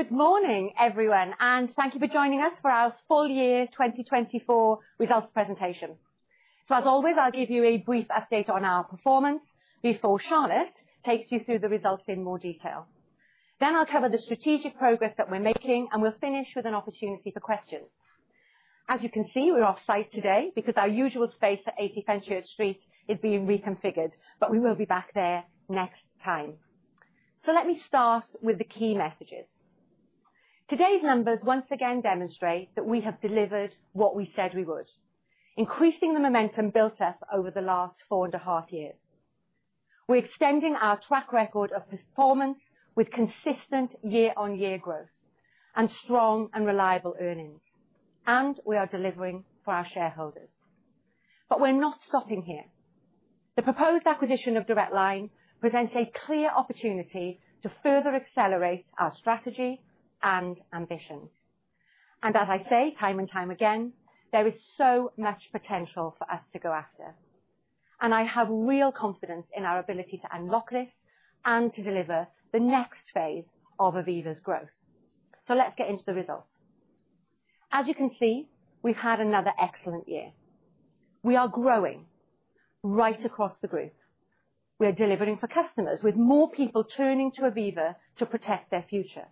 Hey. Good morning, everyone, and thank you for joining us for our full year 2024 results presentation. So, as always, I'll give you a brief update on our performance before Charlotte takes you through the results in more detail. Then I'll cover the strategic progress that we're making, and we'll finish with an opportunity for questions. As you can see, we're off-site today because our usual space at 80 Fenchurch Street is being reconfigured, but we will be back there next time. So, let me start with the key messages. Today's numbers once again demonstrate that we have delivered what we said we would, increasing the momentum built up over the last four and a half years. We're extending our track record of performance with consistent year-on-year growth and strong and reliable earnings, and we are delivering for our shareholders. But we're not stopping here. The proposed acquisition of Direct Line presents a clear opportunity to further accelerate our strategy and ambition. And as I say time and time again, there is so much potential for us to go after, and I have real confidence in our ability to unlock this and to deliver the next phase of Aviva's growth. So, let's get into the results. As you can see, we've had another excellent year. We are growing right across the group. We are delivering for customers with more people turning to Aviva to protect their future,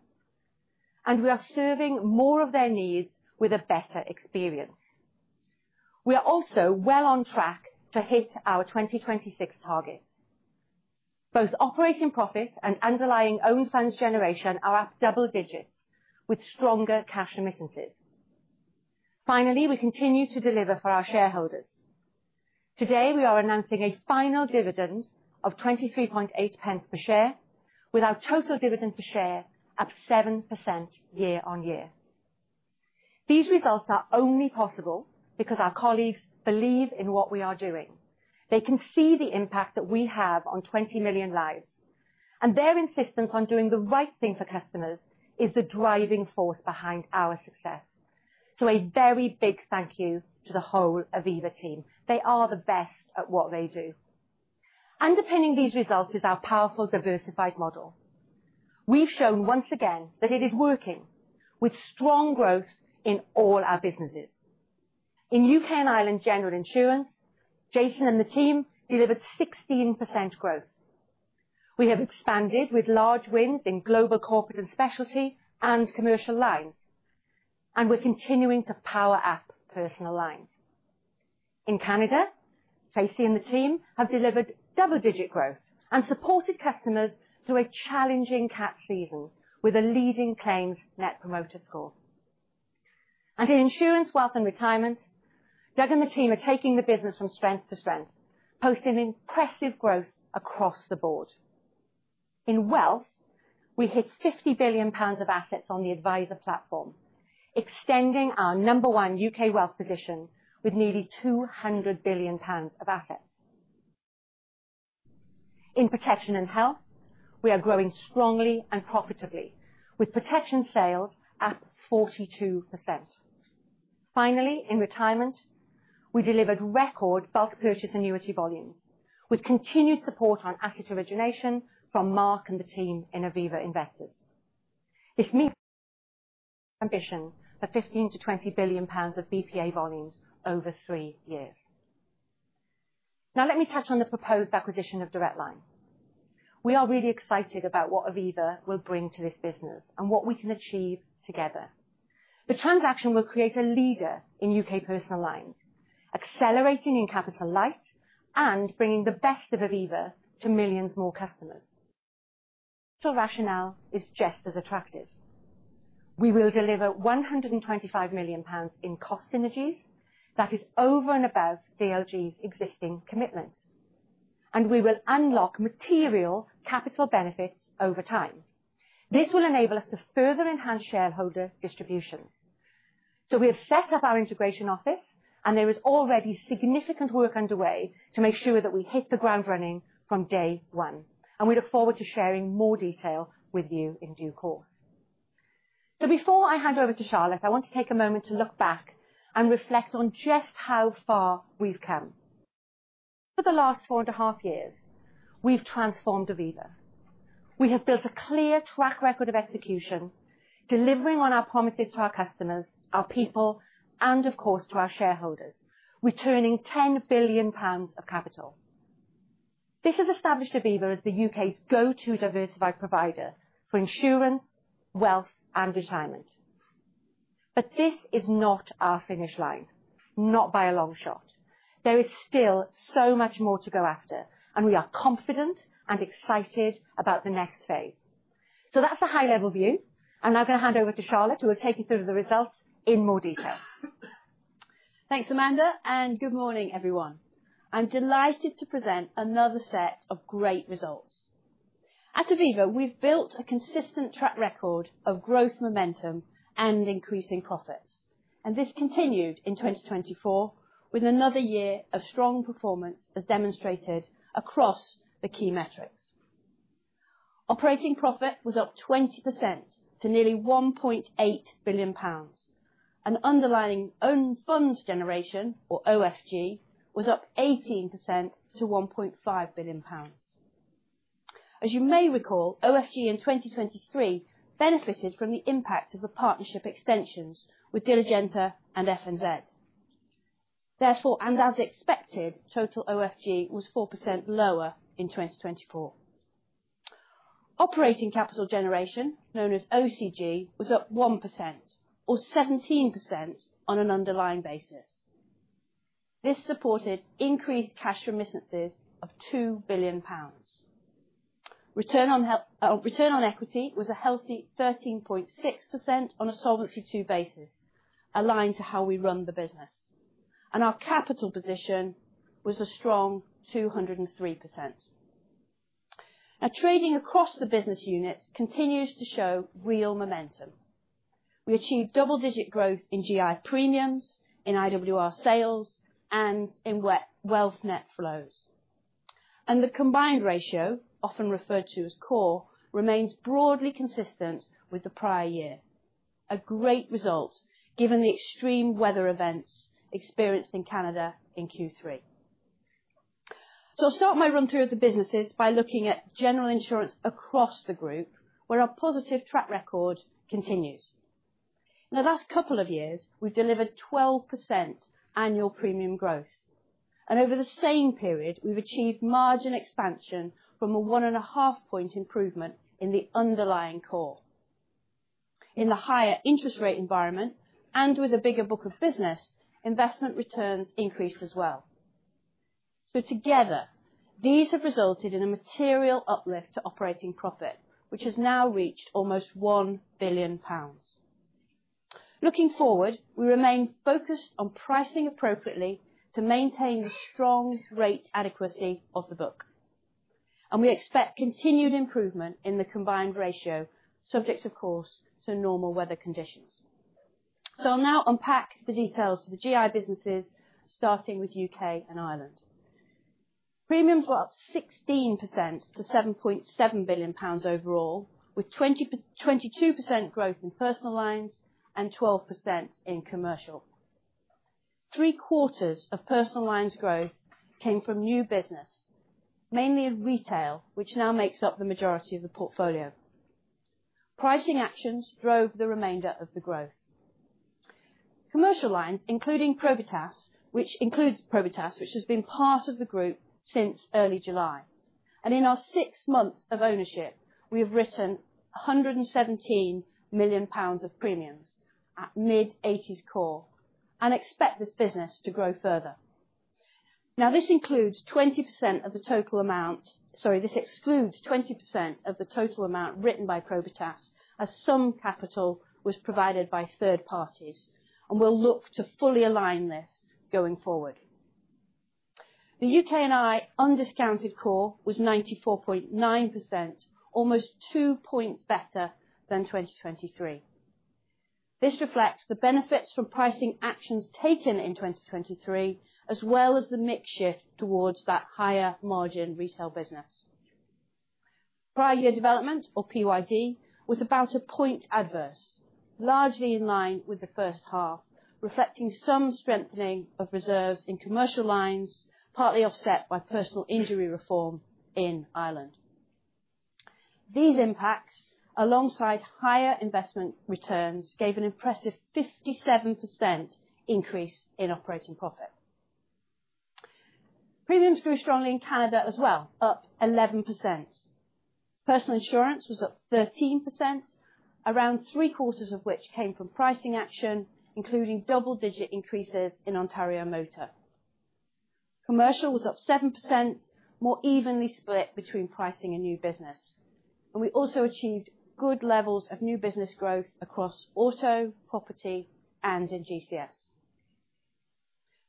and we are serving more of their needs with a better experience. We are also well on track to hit our 2026 target. Both operating profit and underlying own funds generation are at double digits with stronger cash remittances. Finally, we continue to deliver for our shareholders. Today, we are announcing a final dividend of 0.238 per share, with our total dividend per share at 7% year-on-year. These results are only possible because our colleagues believe in what we are doing. They can see the impact that we have on 20 million lives, and their insistence on doing the right thing for customers is the driving force behind our success. So, a very big thank you to the whole Aviva team. They are the best at what they do. Underpinning these results is our powerful diversified model. We've shown once again that it is working with strong growth in all our businesses. In UK and Ireland General Insurance, Jason and the team delivered 16% growth. We have expanded with large wins in Global Corporate & Specialty and commercial lines, and we're continuing to power up personal lines. In Canada, Tracy and the team have delivered double-digit growth and supported customers through a challenging cat season with a leading claims Net Promoter Score. And in Insurance, Wealth & Retirement, Doug and the team are taking the business from strength to strength, posting impressive growth across the board. In Wealth, we hit 50 billion pounds of assets on the adviser platform, extending our number one UK wealth position with nearly 200 billion pounds of assets. In Protection & Health, we are growing strongly and profitably, with protection sales at 42%. Finally, in Retirement, we delivered record bulk purchase annuity volumes with continued support on asset origination from Mark and the team in Aviva Investors. This meets our ambition for 15 billion-20 billion pounds of BPA volumes over three years. Now, let me touch on the proposed acquisition of Direct Line. We are really excited about what Aviva will bring to this business and what we can achieve together. The transaction will create a leader in U.K. personal lines, accelerating in capital light and bringing the best of Aviva to millions more customers. Rationale is just as attractive. We will deliver 125 million pounds in cost synergies. That is over and above DLG's existing commitment, and we will unlock material capital benefits over time. This will enable us to further enhance shareholder distributions. So, we have set up our integration office, and there is already significant work underway to make sure that we hit the ground running from day one, and we look forward to sharing more detail with you in due course. So, before I hand over to Charlotte, I want to take a moment to look back and reflect on just how far we've come. For the last four and a half years, we've transformed Aviva. We have built a clear track record of execution, delivering on our promises to our customers, our people, and of course, to our shareholders, returning 10 billion pounds of capital. This has established Aviva as the U.K.'s go-to diversified provider for Insurance, Wealth & Retirement. But this is not our finish line, not by a long shot. There is still so much more to go after, and we are confident and excited about the next phase. So, that's a high-level view. I'm now going to hand over to Charlotte, who will take you through the results in more detail. Thanks, Amanda, and good morning, everyone. I'm delighted to present another set of great results. At Aviva, we've built a consistent track record of growth momentum and increasing profits, and this continued in 2024 with another year of strong performance as demonstrated across the key metrics. Operating profit was up 20% to nearly £1.8 billion. An underlying own funds generation, or OFG, was up 18% to £1.5 billion. As you may recall, OFG in 2023 benefited from the impact of the partnership extensions with Diligenta and FNZ. Therefore, and as expected, total OFG was 4% lower in 2024. Operating capital generation, known as OCG, was up 1%, or 17% on an underlying basis. This supported increased cash remittances of £2 billion. Return on equity was a healthy 13.6% on a Solvency II basis, aligned to how we run the business, and our capital position was a strong 203%. Now, trading across the business units continues to show real momentum. We achieved double-digit growth in GI premiums, in IWR sales, and in Wealth net flows. And the combined ratio, often referred to as COR, remains broadly consistent with the prior year. A great result given the extreme weather events experienced in Canada in Q3. So, I'll start my run-through of the businesses by looking at general insurance across the group, where our positive track record continues. In the last couple of years, we've delivered 12% annual premium growth, and over the same period, we've achieved margin expansion from a one-and-a-half-point improvement in the underlying COR. In the higher interest rate environment and with a bigger book of business, investment returns increased as well. So, together, these have resulted in a material uplift to operating profit, which has now reached almost 1 billion pounds. Looking forward, we remain focused on pricing appropriately to maintain the strong rate adequacy of the book, and we expect continued improvement in the combined ratio, subject, of course, to normal weather conditions, so I'll now unpack the details of the GI businesses, starting with UK and Ireland. Premiums were up 16% to 7.7 billion pounds overall, with 22% growth in personal lines and 12% in commercial. Three-quarters of personal lines growth came from new business, mainly in retail, which now makes up the majority of the portfolio. Pricing actions drove the remainder of the growth. Commercial lines, including Probitas, which has been part of the group since early July, and in our six months of ownership, we have written 117 million pounds of premiums at mid-80s COR and expect this business to grow further. Now, this includes 20% of the total amount - sorry, this excludes 20% of the total amount written by Probitas as some capital was provided by third parties, and we'll look to fully align this going forward. The UK and Ireland undiscounted COR was 94.9%, almost two points better than 2023. This reflects the benefits from pricing actions taken in 2023, as well as the mix shift towards that higher margin retail business. Prior year development, or PYD, was about a point adverse, largely in line with the first half, reflecting some strengthening of reserves in commercial lines, partly offset by personal injury reform in Ireland. These impacts, alongside higher investment returns, gave an impressive 57% increase in operating profit. Premiums grew strongly in Canada as well, up 11%. Personal insurance was up 13%, around three-quarters of which came from pricing action, including double-digit increases in Ontario Motor. Commercial was up 7%, more evenly split between pricing and new business, and we also achieved good levels of new business growth across auto, property, and in GCS.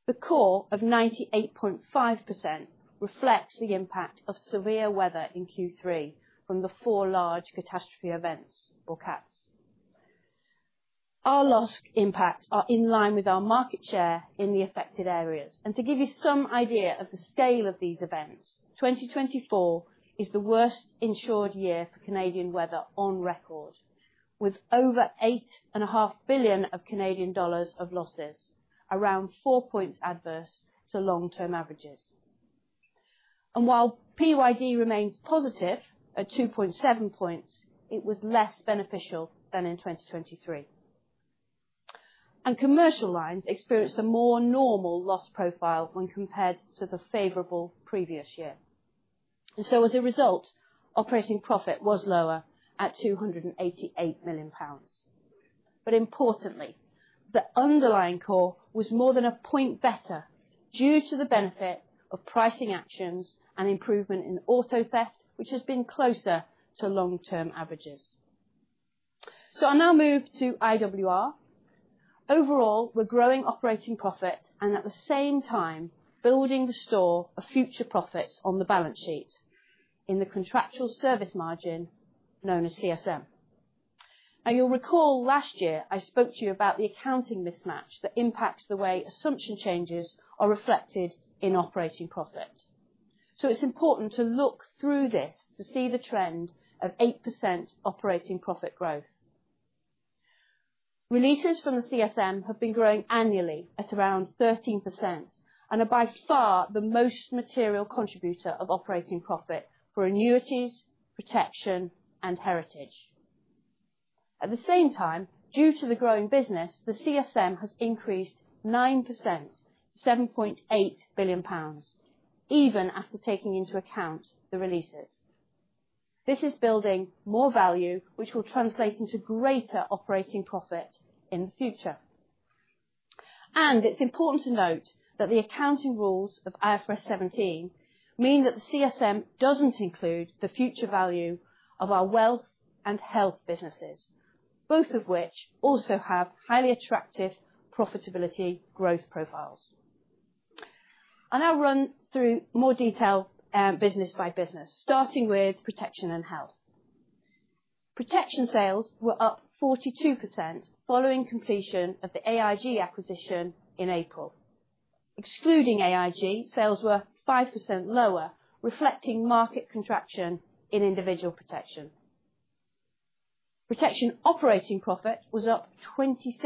The COR of 98.5% reflects the impact of severe weather in Q3 from the four large catastrophe events, or CATs. Our loss impacts are in line with our market share in the affected areas. And to give you some idea of the scale of these events, 2024 is the worst insured year for Canadian weather on record, with over 8.5 billion Canadian dollars of losses, around four points adverse to long-term averages. And while PYD remains positive at 2.7 points, it was less beneficial than in 2023. And commercial lines experienced a more normal loss profile when compared to the favorable previous year. And so, as a result, operating profit was lower at 288 million pounds. But importantly, the underlying COR was more than a point better due to the benefit of pricing actions and improvement in auto theft, which has been closer to long-term averages. So, I'll now move to IWR. Overall, we're growing operating profit and at the same time building the store of future profits on the balance sheet in the contractual service margin known as CSM. Now, you'll recall last year I spoke to you about the accounting mismatch that impacts the way assumption changes are reflected in operating profit. So, it's important to look through this to see the trend of 8% operating profit growth. Releases from the CSM have been growing annually at around 13% and are by far the most material contributor of operating profit for annuities, protection, and heritage. At the same time, due to the growing business, the CSM has increased 9% to 7.8 billion pounds, even after taking into account the releases. This is building more value, which will translate into greater operating profit in the future. And it's important to note that the accounting rules of IFRS 17 mean that the CSM doesn't include the future value of our Wealth and Health businesses, both of which also have highly attractive profitability growth profiles. I'll now run through more detail business by business, starting with Protection & Health. Protection sales were up 42% following completion of the AIG acquisition in April. Excluding AIG, sales were 5% lower, reflecting market contraction in individual protection. Protection operating profit was up 26%,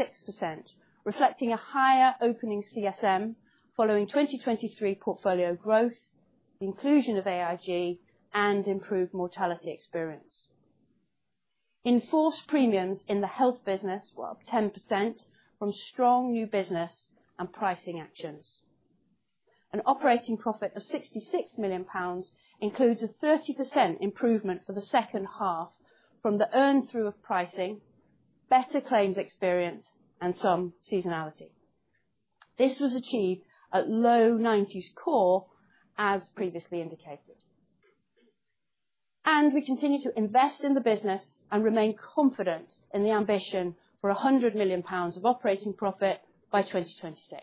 reflecting a higher opening CSM following 2023 portfolio growth, inclusion of AIG, and improved mortality experience. Earned premiums in the health business were up 10% from strong new business and pricing actions. An operating profit of 66 million pounds includes a 30% improvement for the second half from the earn-through of pricing, better claims experience, and some seasonality. This was achieved at low-90s COR, as previously indicated. And we continue to invest in the business and remain confident in the ambition for 100 million pounds of operating profit by 2026.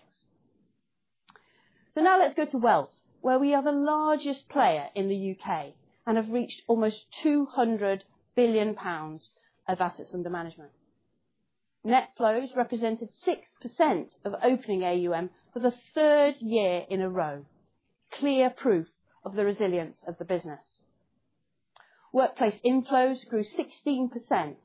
So now let's go to Wealth, where we are the largest player in the U.K. and have reached almost 200 billion pounds of assets under management. Net flows represented 6% of opening AUM for the third year in a row, clear proof of the resilience of the business. Workplace inflows grew 16%,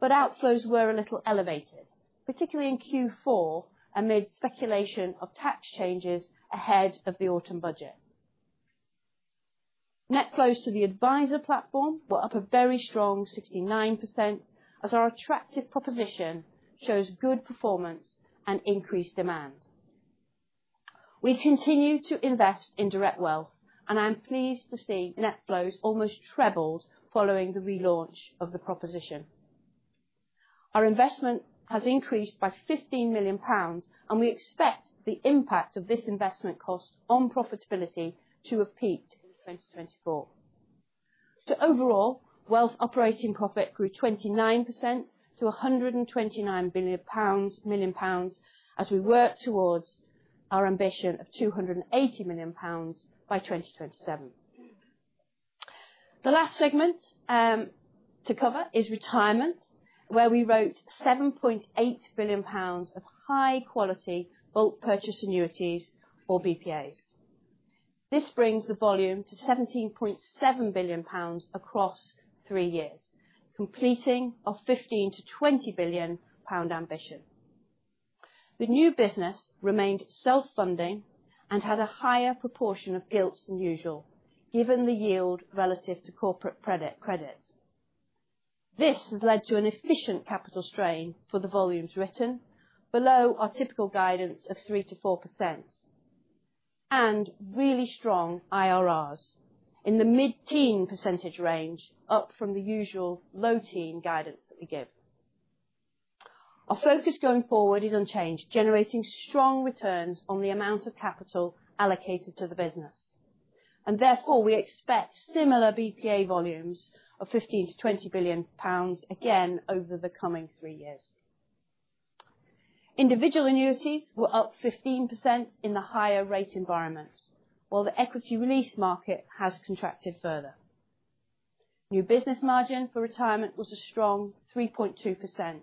but outflows were a little elevated, particularly in Q4 amid speculation of tax changes ahead of the autumn budget. Net flows to the adviser platform were up a very strong 69%, as our attractive proposition shows good performance and increased demand. We continue to invest in direct wealth, and I'm pleased to see net flows almost trebled following the relaunch of the proposition. Our investment has increased by £15 million, and we expect the impact of this investment cost on profitability to have peaked in 2024. So overall, Wealth operating profit grew 29% to £129 million as we work towards our ambition of £280 million by 2027. The last segment to cover is Retirement, where we wrote £7.8 billion of high-quality bulk purchase annuities, or BPAs. This brings the volume to £17.7 billion across three years, completing our £15-£20 billion ambition. The new business remained self-funding and had a higher proportion of gilts than usual, given the yield relative to corporate credit. This has led to an efficient capital strain for the volumes written, below our typical guidance of 3-4%, and really strong IRRs in the mid-teen % range, up from the usual low-teen guidance that we give. Our focus going forward is unchanged, generating strong returns on the amount of capital allocated to the business and therefore we expect similar BPA volumes of 15-20 billion pounds again over the coming three years. Individual annuities were up 15% in the higher rate environment, while the equity release market has contracted further. New business margin for Retirement was a strong 3.2%,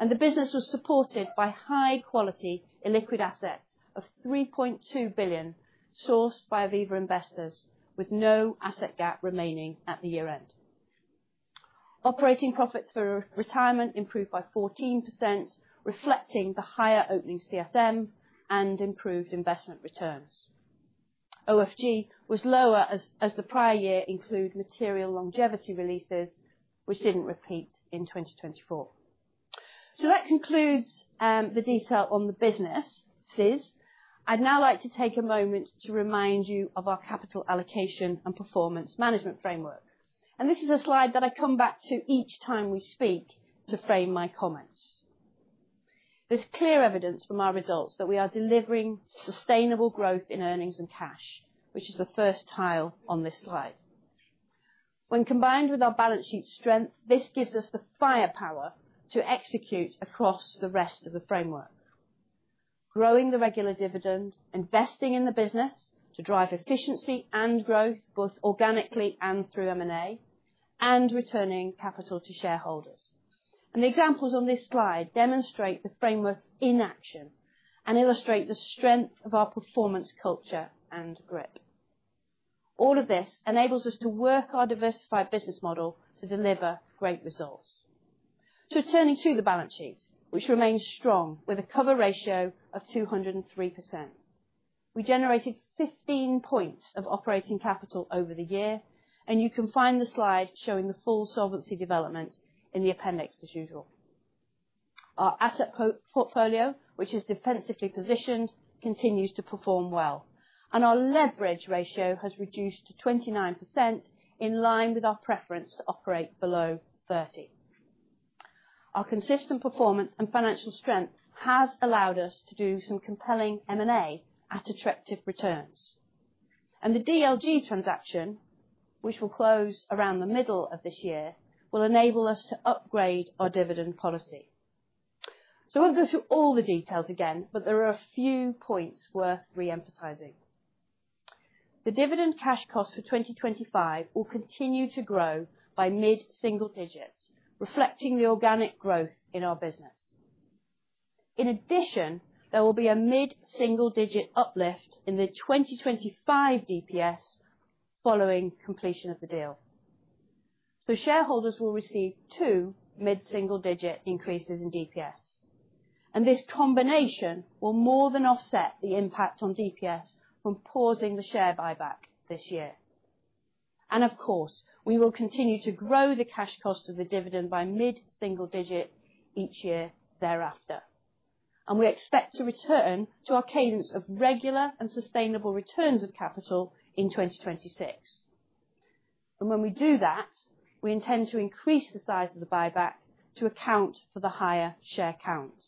and the business was supported by high-quality illiquid assets of 3.2 billion sourced by Aviva Investors, with no asset gap remaining at the year-end. Operating profits for Retirement improved by 14%, reflecting the higher opening CSM and improved investment returns. OFG was lower as the prior year included material longevity releases, which didn't repeat in 2024, so that concludes the detail on the businesses. I'd now like to take a moment to remind you of our capital allocation and performance management framework, and this is a slide that I come back to each time we speak to frame my comments. There's clear evidence from our results that we are delivering sustainable growth in earnings and cash, which is the first tile on this slide. When combined with our balance sheet strength, this gives us the firepower to execute across the rest of the framework. Growing the regular dividend, investing in the business to drive efficiency and growth, both organically and through M&A, and returning capital to shareholders, and the examples on this slide demonstrate the framework in action and illustrate the strength of our performance culture and grip. All of this enables us to work our diversified business model to deliver great results. So turning to the balance sheet, which remains strong with a cover ratio of 203%. We generated 15 points of operating capital over the year, and you can find the slide showing the full solvency development in the appendix, as usual. Our asset portfolio, which is defensively positioned, continues to perform well, and our leverage ratio has reduced to 29% in line with our preference to operate below 30%. Our consistent performance and financial strength has allowed us to do some compelling M&A at attractive returns. And the DLG transaction, which will close around the middle of this year, will enable us to upgrade our dividend policy. So I won't go through all the details again, but there are a few points worth re-emphasizing. The dividend cash cost for 2025 will continue to grow by mid-single digits, reflecting the organic growth in our business. In addition, there will be a mid-single digit uplift in the 2025 DPS following completion of the deal. So shareholders will receive two mid-single digit increases in DPS. And this combination will more than offset the impact on DPS from pausing the share buyback this year. And of course, we will continue to grow the cash cost of the dividend by mid-single digit each year thereafter. And we expect to return to our cadence of regular and sustainable returns of capital in 2026. And when we do that, we intend to increase the size of the buyback to account for the higher share count.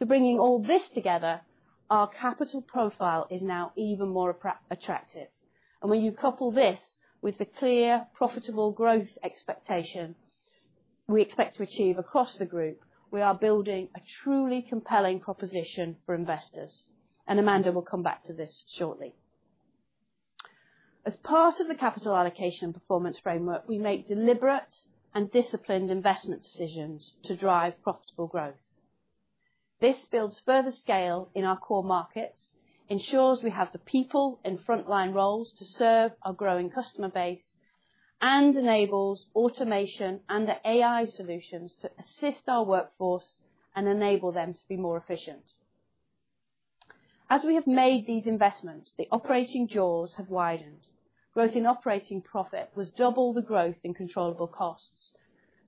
So bringing all this together, our capital profile is now even more attractive. When you couple this with the clear profitable growth expectation we expect to achieve across the group, we are building a truly compelling proposition for investors. Amanda will come back to this shortly. As part of the capital allocation and performance framework, we make deliberate and disciplined investment decisions to drive profitable growth. This builds further scale in our COR markets, ensures we have the people in frontline roles to serve our growing customer base, and enables automation and AI solutions to assist our workforce and enable them to be more efficient. As we have made these investments, the operating jaws have widened. Growth in operating profit was double the growth in controllable costs.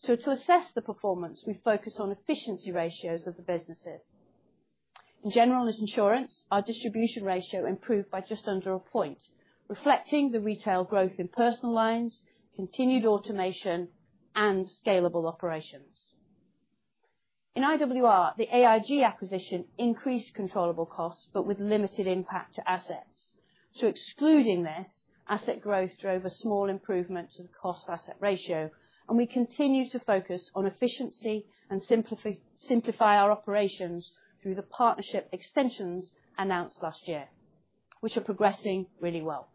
To assess the performance, we focus on efficiency ratios of the businesses. In general insurance, our distribution ratio improved by just under a point, reflecting the retail growth in personal lines, continued automation, and scalable operations. In IWR, the AIG acquisition increased controllable costs, but with limited impact to assets. So excluding this, asset growth drove a small improvement to the cost-asset ratio, and we continue to focus on efficiency and simplify our operations through the partnership extensions announced last year, which are progressing really well.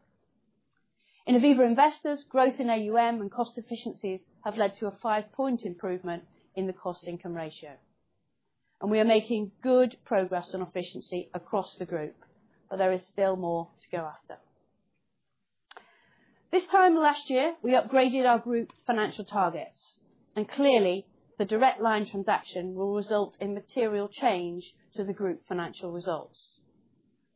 In Aviva Investors, growth in AUM and cost efficiencies have led to a five-point improvement in the cost-income ratio, and we are making good progress on efficiency across the group, but there is still more to go after. This time last year, we upgraded our group financial targets, and clearly, the Direct Line transaction will result in material change to the group financial results.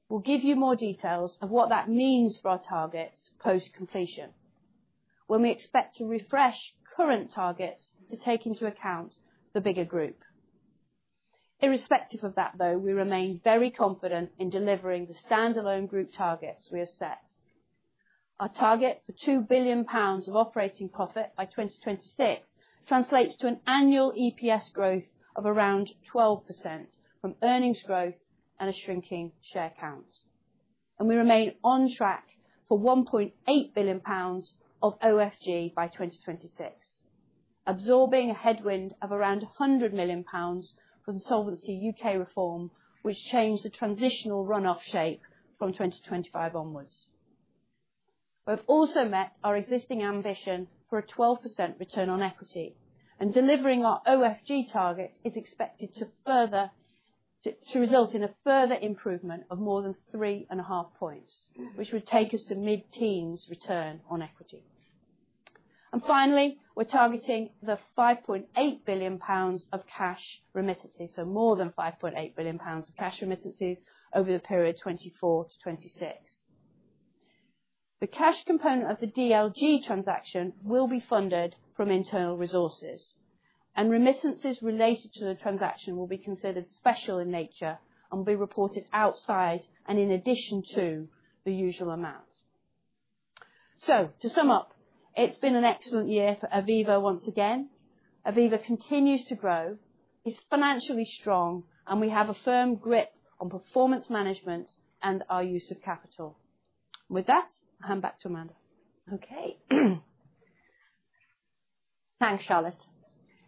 We'll give you more details of what that means for our targets post-completion, when we expect to refresh current targets to take into account the bigger group. Irrespective of that, though, we remain very confident in delivering the standalone group targets we have set. Our target for 2 billion pounds of operating profit by 2026 translates to an annual EPS growth of around 12% from earnings growth and a shrinking share count. We remain on track for 1.8 billion pounds of OFG by 2026, absorbing a headwind of around 100 million pounds from Solvency UK reform, which changed the transitional runoff shape from 2025 onwards. We've also met our existing ambition for a 12% return on equity, and delivering our OFG target is expected to result in a further improvement of more than three and a half points, which would take us to mid-teens return on equity. Finally, we're targeting the 5.8 billion pounds of cash remittances, so more than 5.8 billion pounds of cash remittances over the period 2024 to 2026. The cash component of the DLG transaction will be funded from internal resources, and remittances related to the transaction will be considered special in nature and will be reported outside and in addition to the usual amount. To sum up, it's been an excellent year for Aviva once again. Aviva continues to grow, is financially strong, and we have a firm grip on performance management and our use of capital. With that, I'll hand back to Amanda. Okay. Thanks, Charlotte.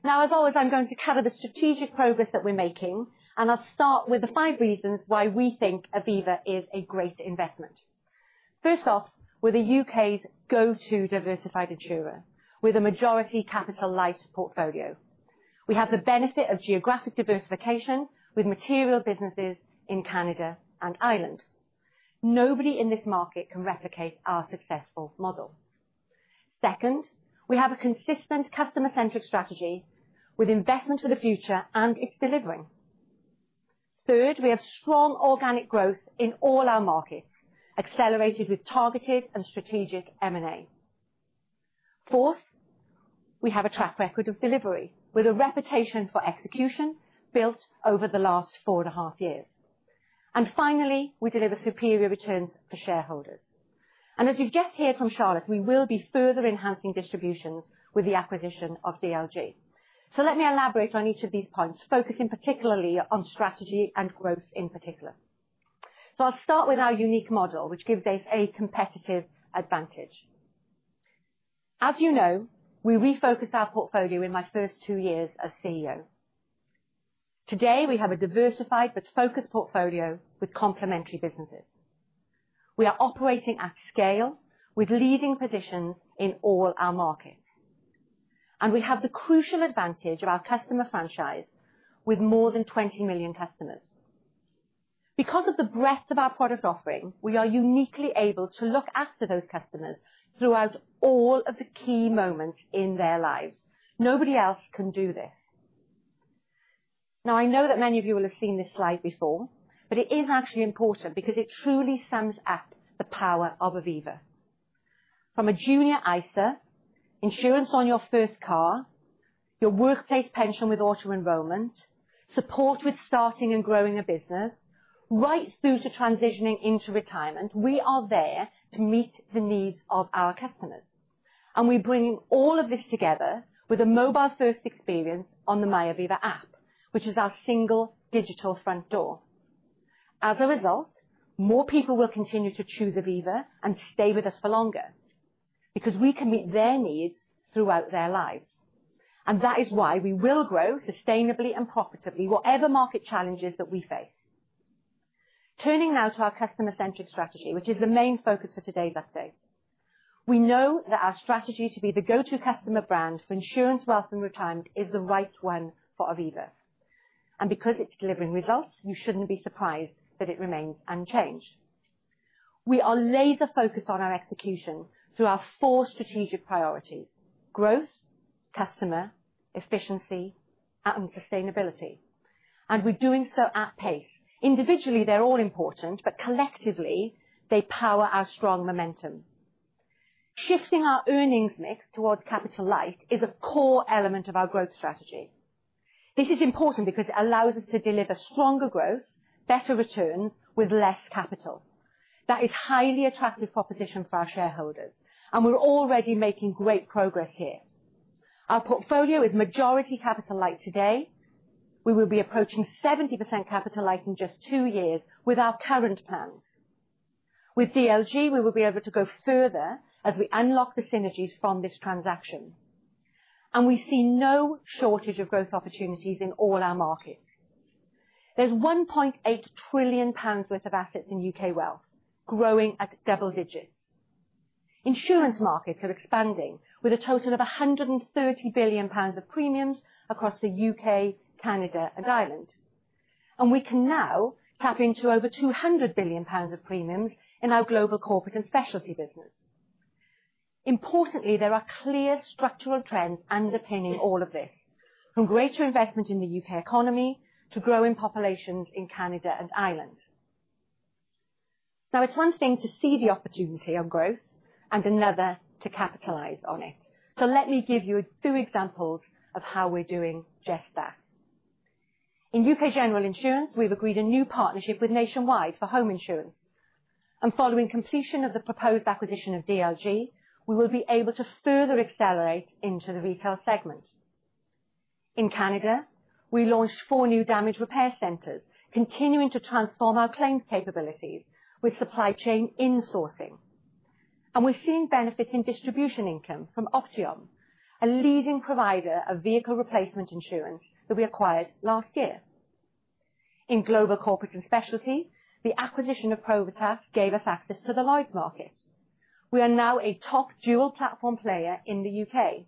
Now, as always, I'm going to cover the strategic progress that we're making, and I'll start with the five reasons why we think Aviva is a great investment. First off, we're the U.K.'s go-to diversified insurer with a majority capital light portfolio. We have the benefit of geographic diversification with material businesses in Canada and Ireland. Nobody in this market can replicate our successful model. Second, we have a consistent customer-centric strategy with investment for the future and it's delivering. Third, we have strong organic growth in all our markets, accelerated with targeted and strategic M&A. Fourth, we have a track record of delivery with a reputation for execution built over the last four and a half years. And finally, we deliver superior returns for shareholders. And as you've just heard from Charlotte, we will be further enhancing distributions with the acquisition of DLG. So let me elaborate on each of these points, focusing particularly on strategy and growth in particular. So I'll start with our unique model, which gives us a competitive advantage. As you know, we refocused our portfolio in my first two years as CEO. Today, we have a diversified but focused portfolio with complementary businesses. We are operating at scale with leading positions in all our markets. And we have the crucial advantage of our customer franchise with more than 20 million customers. Because of the breadth of our product offering, we are uniquely able to look after those customers throughout all of the key moments in their lives. Nobody else can do this. Now, I know that many of you will have seen this slide before, but it is actually important because it truly sums up the power of Aviva. From a junior ISA, insurance on your first car, your workplace pension with auto-enrollment, support with starting and growing a business, right through to transitioning into Retirement, we are there to meet the needs of our customers. We bring all of this together with a mobile-first experience on the MyAviva app, which is our single digital front door. As a result, more people will continue to choose Aviva and stay with us for longer because we can meet their needs throughout their lives. That is why we will grow sustainably and profitably, whatever market challenges that we face. Turning now to our customer-centric strategy, which is the main focus for today's update. We know that our strategy to be the go-to customer brand for Insurance, Wealth & Retirement is the right one for Aviva. Because it's delivering results, you shouldn't be surprised that it remains unchanged. We are laser-focused on our execution through our four strategic priorities: growth, customer, efficiency, and sustainability. We're doing so at pace. Individually, they're all important, but collectively, they power our strong momentum. Shifting our earnings mix towards capital light is a core element of our growth strategy. This is important because it allows us to deliver stronger growth, better returns with less capital. That is a highly attractive proposition for our shareholders, and we're already making great progress here. Our portfolio is majority capital light today. We will be approaching 70% capital light in just two years with our current plans. With DLG, we will be able to go further as we unlock the synergies from this transaction. And we see no shortage of growth opportunities in all our markets. There's 1.8 trillion pounds worth of assets in UK wealth, growing at double digits. Insurance markets are expanding with a total of 130 billion pounds of premiums across the UK, Canada, and Ireland. And we can now tap into over 200 billion pounds of premiums in our Global Corporate & Specialty business. Importantly, there are clear structural trends underpinning all of this, from greater investment in the UK economy to growing populations in Canada and Ireland. Now, it's one thing to see the opportunity of growth and another to capitalize on it. So let me give you two examples of how we're doing just that. In UK General Insurance, we've agreed a new partnership with Nationwide for home insurance. And following completion of the proposed acquisition of DLG, we will be able to further accelerate into the retail segment. In Canada, we launched four new damage repair centers, continuing to transform our claims capabilities with supply chain insourcing. And we've seen benefits in distribution income from Optiom, a leading provider of vehicle replacement insurance that we acquired last year. In Global Corporate & Specialty, the acquisition of Probitas gave us access to the large market. We are now a top dual-platform player in the UK,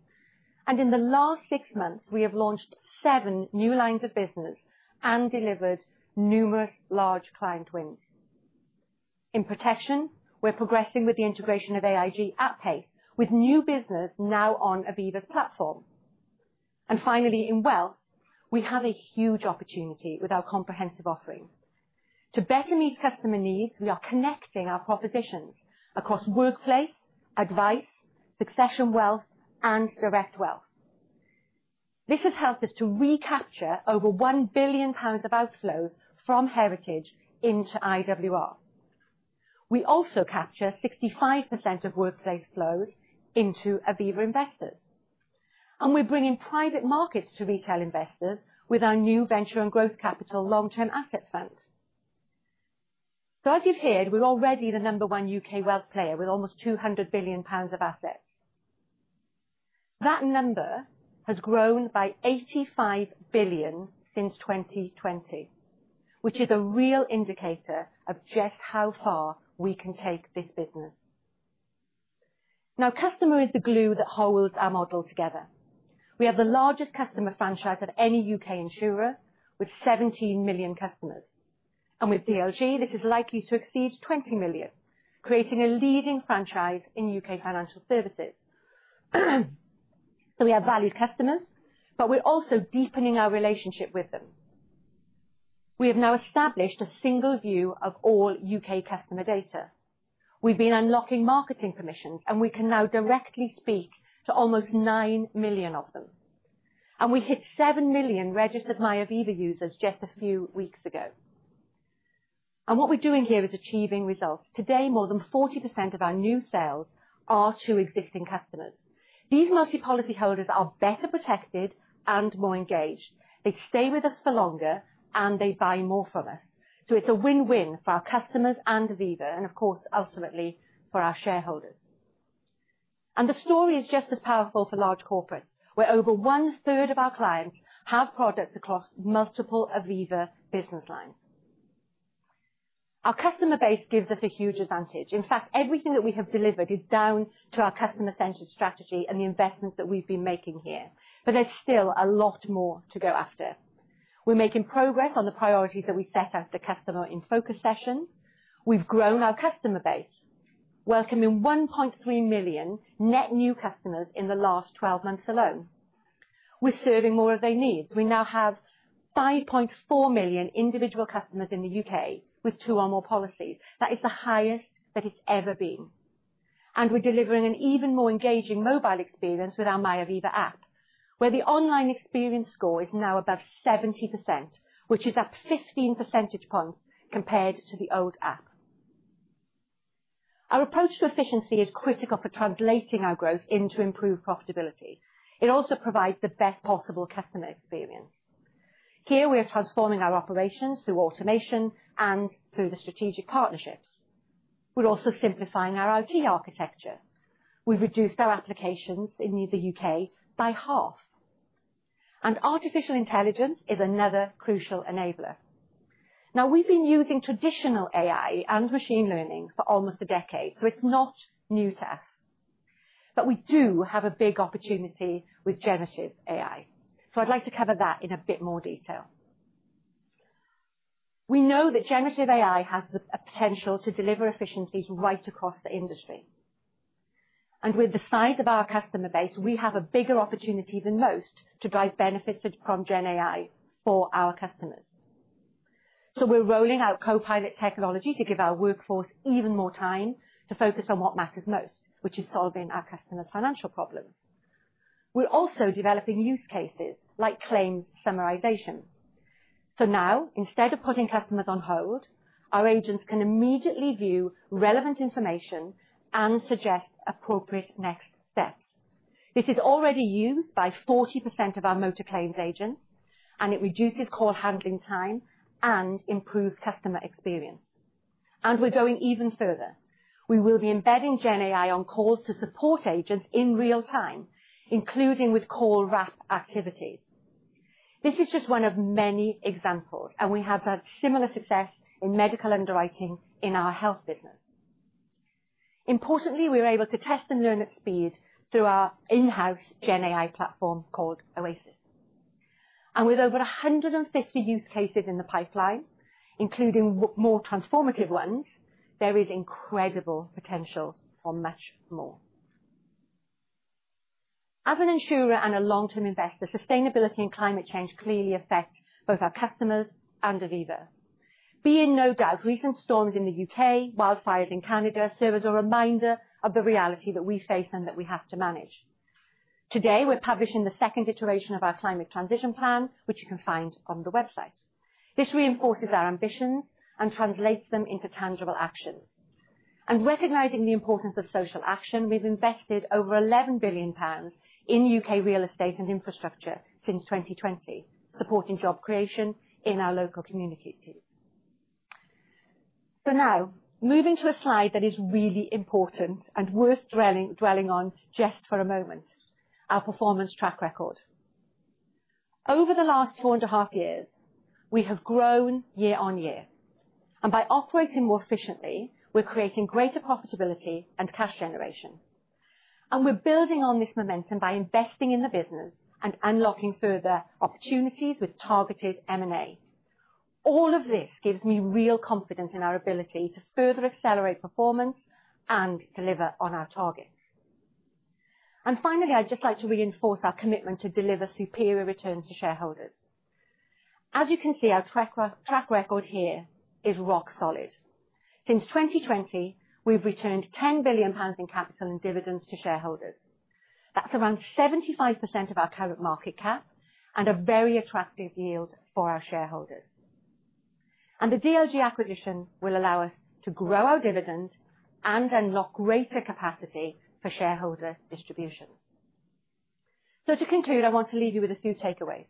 and in the last six months, we have launched seven new lines of business and delivered numerous large client wins. In protection, we're progressing with the integration of AIG at pace, with new business now on Aviva's platform. And finally, in Wealth, we have a huge opportunity with our comprehensive offering. To better meet customer needs, we are connecting our propositions across workplace, advice, Succession Wealth, and direct wealth. This has helped us to recapture over 1 billion pounds of outflows from heritage into IWR. We also capture 65% of workplace flows into Aviva Investors. And we're bringing private markets to retail investors with our new Venture and Growth Capital Long-Term Asset Fund, so as you've heard, we're already the number one UK wealth player with almost 200 billion pounds of assets. That number has grown by 85 billion since 2020, which is a real indicator of just how far we can take this business. Now, customer is the glue that holds our model together. We have the largest customer franchise of any U.K. insurer with 17 million customers, and with DLG this is likely to exceed 20 million, creating a leading franchise in U.K. financial services, so we have valued customers, but we're also deepening our relationship with them. We have now established a single view of all U.K. customer data. We've been unlocking marketing permissions, and we can now directly speak to almost 9 million of them, and we hit 7 million registered MyAviva users just a few weeks ago, and what we're doing here is achieving results. Today, more than 40% of our new sales are to existing customers. These multi-policy holders are better protected and more engaged. They stay with us for longer, and they buy more from us. So it's a win-win for our customers and Aviva, and of course, ultimately for our shareholders. And the story is just as powerful for large corporates, where over one-third of our clients have products across multiple Aviva business lines. Our customer base gives us a huge advantage. In fact, everything that we have delivered is down to our customer-centric strategy and the investments that we've been making here. But there's still a lot more to go after. We're making progress on the priorities that we set Customer In Focus sessions. we've grown our customer base, welcoming 1.3 million net new customers in the last 12 months alone. We're serving more of their needs. We now have 5.4 million individual customers in the U.K. with two or more policies. That is the highest that it's ever been. And we're delivering an even more engaging mobile experience with our MyAviva app, where the online experience score is now above 70%, which is up 15 percentage points compared to the old app. Our approach to efficiency is critical for translating our growth into improved profitability. It also provides the best possible customer experience. Here, we are transforming our operations through automation and through the strategic partnerships. We're also simplifying our IT architecture. We've reduced our applications in the U.K. by half. And artificial intelligence is another crucial enabler. Now, we've been using traditional AI and machine learning for almost a decade, so it's not new to us. But we do have a big opportunity with generative AI. So I'd like to cover that in a bit more detail. We know that generative AI has the potential to deliver efficiencies right across the industry. With the size of our customer base, we have a bigger opportunity than most to drive benefits from GenAI for our customers. We're rolling out Copilot technology to give our workforce even more time to focus on what matters most, which is solving our customers' financial problems. We're also developing use cases like claims summarization. Now, instead of putting customers on hold, our agents can immediately view relevant information and suggest appropriate next steps. This is already used by 40% of our motor claims agents, and it reduces call handling time and improves customer experience. We're going even further. We will be embedding GenAI on calls to support agents in real time, including with call wrap activities. This is just one of many examples, and we have had similar success in medical underwriting in our health business. Importantly, we're able to test and learn at speed through our in-house GenAI platform called Oasis, and with over 150 use cases in the pipeline, including more transformative ones, there is incredible potential for much more. As an insurer and a long-term investor, sustainability and climate change clearly affect both our customers and Aviva. Be in no doubt, recent storms in the UK, wildfires in Canada serve as a reminder of the reality that we face and that we have to manage. Today, we're publishing the second iteration of our climate transition plan, which you can find on the website. This reinforces our ambitions and translates them into tangible actions, and recognizing the importance of social action, we've invested over 11 billion pounds in UK real estate and infrastructure since 2020, supporting job creation in our local communities. So now, moving to a slide that is really important and worth dwelling on just for a moment: our performance track record. Over the last two and a half years, we have grown year on year. And by operating more efficiently, we're creating greater profitability and cash generation. And we're building on this momentum by investing in the business and unlocking further opportunities with targeted M&A. All of this gives me real confidence in our ability to further accelerate performance and deliver on our targets. And finally, I'd just like to reinforce our commitment to deliver superior returns to shareholders. As you can see, our track record here is rock solid. Since 2020, we've returned 10 billion pounds in capital and dividends to shareholders. That's around 75% of our current market cap and a very attractive yield for our shareholders. The DLG acquisition will allow us to grow our dividend and unlock greater capacity for shareholder distribution. To conclude, I want to leave you with a few takeaways.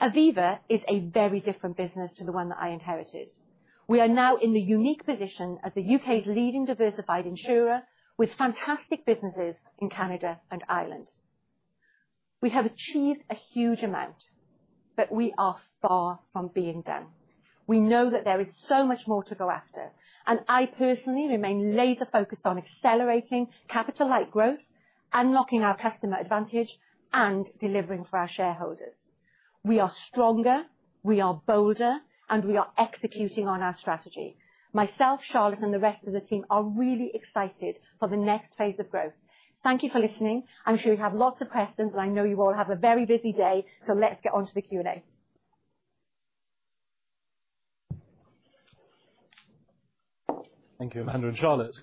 Aviva is a very different business to the one that I inherited. We are now in the unique position as the UK's leading diversified insurer with fantastic businesses in Canada and Ireland. We have achieved a huge amount, but we are far from being done. We know that there is so much more to go after. I personally remain laser-focused on accelerating capital-like growth, unlocking our customer advantage, and delivering for our shareholders. We are stronger, we are bolder, and we are executing on our strategy. Myself, Charlotte, and the rest of the team are really excited for the next phase of growth. Thank you for listening. I'm sure you have lots of questions, and I know you all have a very busy day, so let's get on to the Q&A. Thank you, Amanda and Charlotte.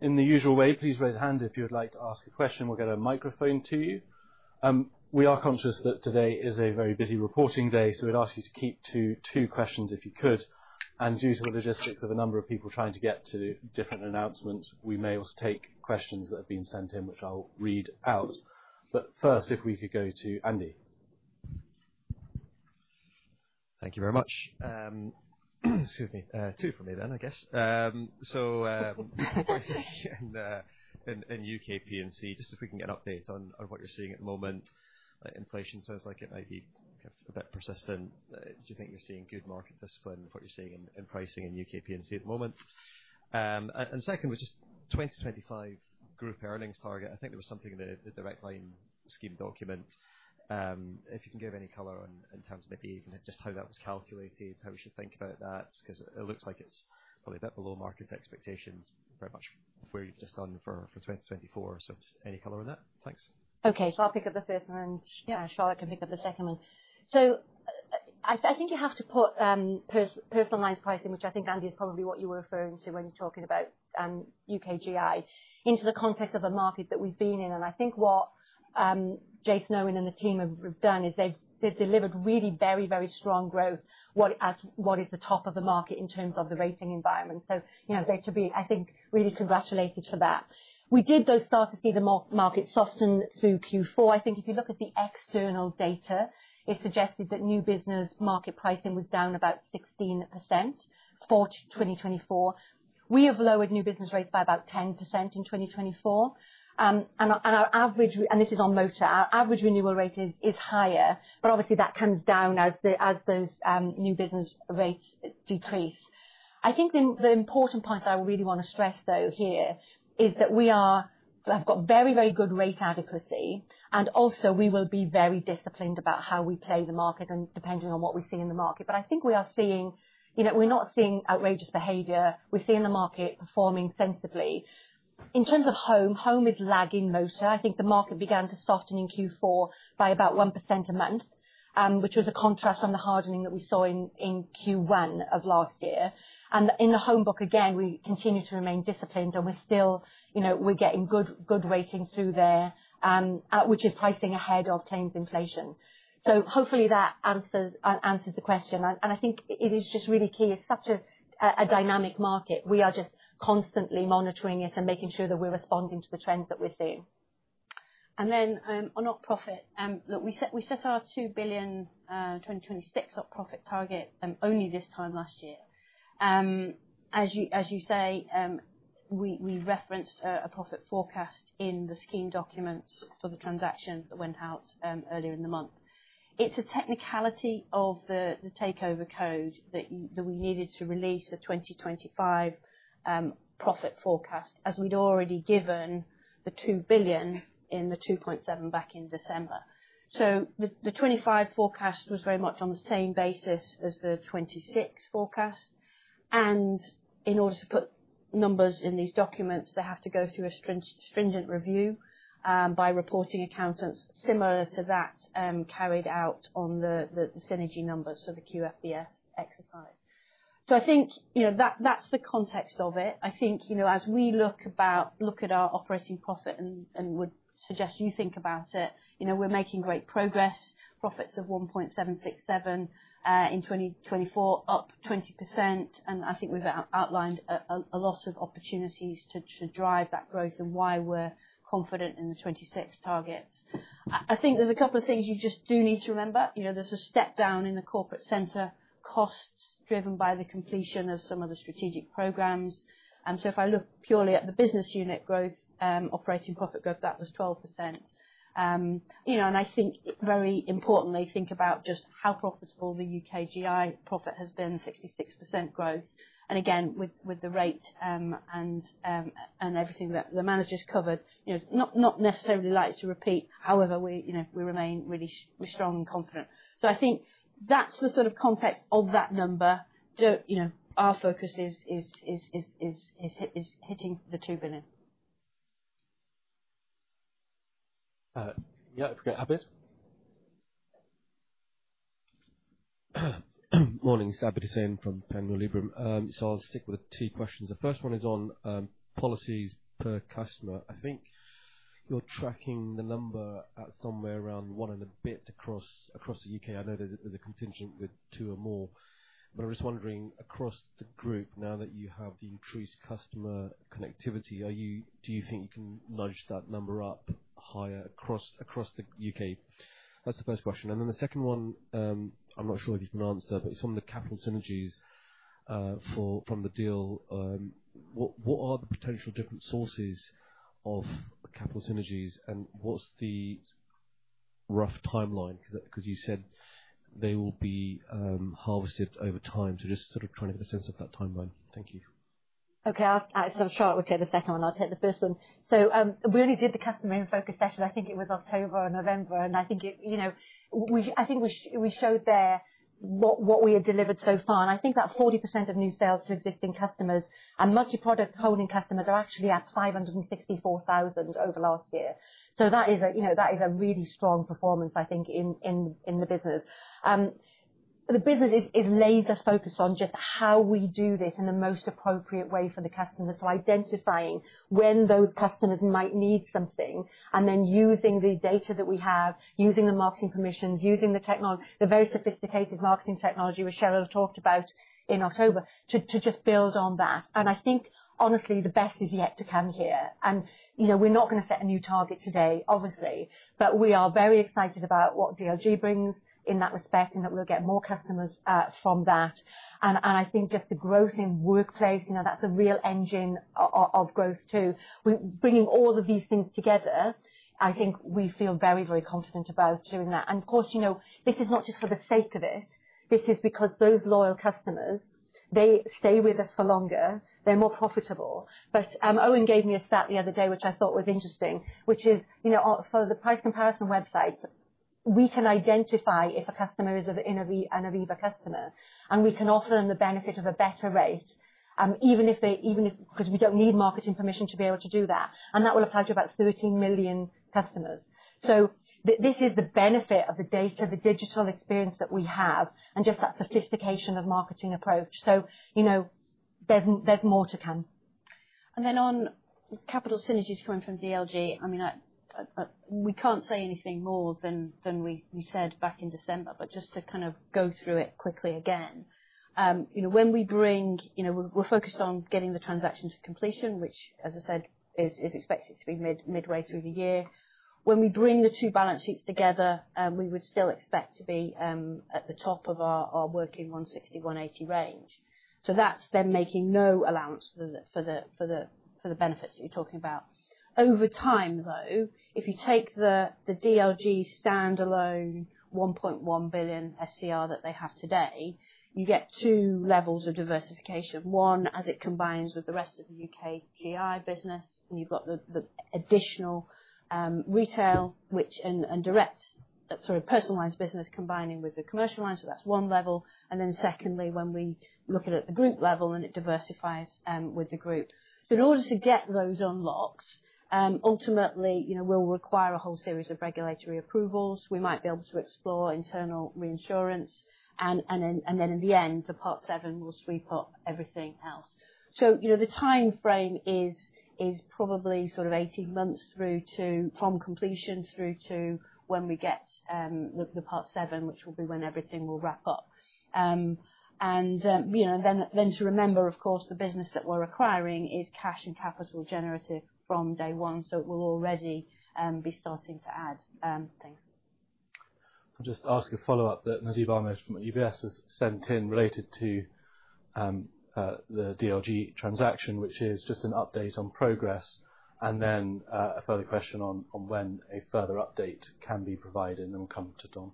In the usual way, please raise your hand if you'd like to ask a question. We'll get a microphone to you. We are conscious that today is a very busy reporting day, so we'd ask you to keep to two questions if you could. And due to the logistics of a number of people trying to get to different announcements, we may also take questions that have been sent in, which I'll read out. But first, if we could go to Andy. Thank you very much. Excuse me. Two from me then, I guess. So pricing and UK P&C, just if we can get an update on what you're seeing at the moment. Inflation sounds like it might be a bit persistent. Do you think you're seeing good market discipline with what you're seeing in pricing and UK P&C at the moment? And second was just 2025 group earnings target. I think there was something in the Direct Line scheme document. If you can give any color in terms of maybe just how that was calculated, how we should think about that, because it looks like it's probably a bit below market expectations, very much where you've just done for 2024. So just any color on that? Thanks. Okay. So I'll pick up the first one, and Charlotte can pick up the second one. So I think you have to put personalized pricing, which I think Andy is probably what you were referring to when you're talking about UK GI, into the context of a market that we've been in. I think what Jason and Owen and the team have done is they've delivered really very, very strong growth, what is the top of the market in terms of the rating environment. So they're to be, I think, really congratulated for that. We did though start to see the market soften through Q4. I think if you look at the external data, it suggested that new business market pricing was down about 16% for 2024. We have lowered new business rates by about 10% in 2024. And our average, and this is on motor, our average renewal rate is higher, but obviously that comes down as those new business rates decrease. I think the important point that I really want to stress though here is that we have got very, very good rate adequacy, and also we will be very disciplined about how we play the market and depending on what we see in the market. But I think we are seeing, we're not seeing outrageous behavior. We're seeing the market performing sensibly. In terms of home, home is lagging motor. I think the market began to soften in Q4 by about 1% a month, which was a contrast on the hardening that we saw in Q1 of last year. And in the home book, again, we continue to remain disciplined, and we're still, we're getting good rating through there, which is pricing ahead of claims inflation. So hopefully that answers the question. And I think it is just really key. It's such a dynamic market. We are just constantly monitoring it and making sure that we're responding to the trends that we're seeing. And then on net profit, look, we set our 2 billion 2026 net profit target only this time last year. As you say, we referenced a profit forecast in the scheme documents for the transaction that went out earlier in the month. It's a technicality of the takeover code that we needed to release a 2025 profit forecast as we'd already given the 2 billion in the 2027 back in December. So the 2025 forecast was very much on the same basis as the 2026 forecast. And in order to put numbers in these documents, they have to go through a stringent review by reporting accountants similar to that carried out on the synergy numbers for the DLG exercise. So I think that's the context of it. I think as we look at our operating profit and would suggest you think about it, we're making great progress. Profits of 1.767 billion in 2024, up 20%, and I think we've outlined a lot of opportunities to drive that growth and why we're confident in the 26 targets. I think there's a couple of things you just do need to remember. There's a step down in the corporate center costs driven by the completion of some of the strategic programs, and so if I look purely at the business unit growth, operating profit growth, that was 12%. And I think very importantly, think about just how profitable the UK GI profit has been, 66% growth. And again, with the rate and everything that the manager's covered, not necessarily like to repeat, however, we remain really strong and confident, so I think that's the sort of context of that number. Our focus is hitting the 2 billion. Yeah, Abid. Morning, it's Abid Hussain from Panmure Liberum. So I'll stick with the two questions. The first one is on policies per customer. I think you're tracking the number at somewhere around one and a bit across the UK. I know there's a contingent with two or more. But I'm just wondering, across the group, now that you have the increased customer connectivity, do you think you can nudge that number up higher across the UK? That's the first question. And then the second one, I'm not sure if you can answer, but it's from the capital synergies from the deal. What are the potential different sources of capital synergies and what's the rough timeline? Because you said they will be harvested over time. So just sort of trying to get a sense of that timeline. Thank you. Okay, so Charlotte would take the second one. I'll take the first one, so we only Customer In Focus session. i think it was October or November, and I think we showed there what we had delivered so far, and I think that 40% of new sales to existing customers and multi-product holding customers are actually at 564,000 over last year. So that is a really strong performance, I think, in the business. The business is laser-focused on just how we do this in the most appropriate way for the customer, so identifying when those customers might need something and then using the data that we have, using the marketing permissions, using the very sophisticated marketing technology which Cheryl talked about in October to just build on that. And I think, honestly, the best is yet to come here. We're not going to set a new target today, obviously, but we are very excited about what DLG brings in that respect and that we'll get more customers from that. I think just the growth in workplace, that's a real engine of growth too. Bringing all of these things together, I think we feel very, very confident about doing that. Of course, this is not just for the sake of it. This is because those loyal customers, they stay with us for longer. They're more profitable. Owen gave me a stat the other day, which I thought was interesting, which is for the price comparison website, we can identify if a customer is an Aviva customer, and we can offer them the benefit of a better rate, even if we don't need marketing permission to be able to do that. And that will apply to about 13 million customers. So this is the benefit of the data, the digital experience that we have, and just that sophistication of marketing approach. So there's more to come. And then on capital synergies coming from DLG, I mean, we can't say anything more than we said back in December, but just to kind of go through it quickly again. When we bring, we're focused on getting the transaction to completion, which, as I said, is expected to be midway through the year. When we bring the two balance sheets together, we would still expect to be at the top of our working 160-180 range. So that's then making no allowance for the benefits that you're talking about. Over time, though, if you take the DLG standalone 1.1 billion SCR that they have today, you get two levels of diversification. One, as it combines with the rest of the UK GI business, and you've got the additional retail and direct, sorry, personalized business combining with the commercial line. So that's one level. And then secondly, when we look at it at the group level, then it diversifies with the group. So in order to get those unlocked, ultimately, we'll require a whole series of regulatory approvals. We might be able to explore internal reinsurance. And then in the end, the Part VII will sweep up everything else. So the timeframe is probably sort of 18 months from completion through to when we get the Part VII, which will be when everything will wrap up. And then to remember, of course, the business that we're acquiring is cash and capital generative from day one, so it will already be starting to add things. I'll just ask a follow-up that Nasib Ahmed from UBS has sent in related to the DLG transaction, which is just an update on progress, and then a further question on when a further update can be provided and then we'll come to Dom.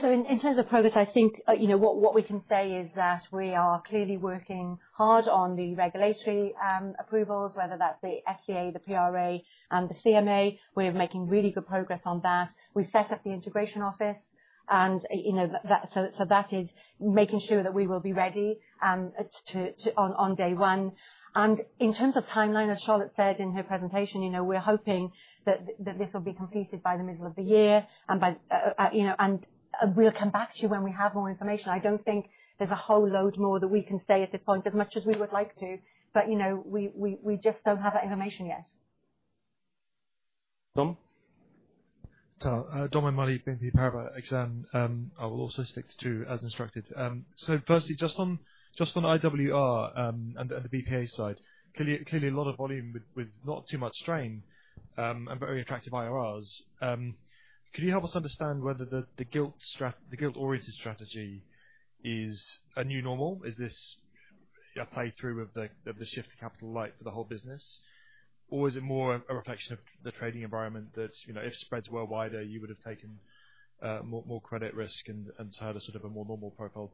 .So in terms of progress, I think what we can say is that we are clearly working hard on the regulatory approvals, whether that's the FCA, the PRA, and the CMA. We're making really good progress on that. We've set up the integration office, and so that is making sure that we will be ready on day one, and in terms of timeline, as Charlotte said in her presentation, we're hoping that this will be completed by the middle of the year, and we'll come back to you when we have more information. I don't think there's a whole load more that we can say at this point, as much as we would like to, but we just don't have that information yet. Dom? Dom O'Mahony, BNP Paribas Exane. I will also stick to two as instructed. So firstly, just on IWR and the BPA side, clearly a lot of volume with not too much strain and very attractive IRRs. Can you help us understand whether the gilts-oriented strategy is a new normal? Is this a playthrough of the shift to capital light for the whole business? Or is it more a reflection of the trading environment that if spreads were wider, you would have taken more credit risk and had a sort of a more normal profile?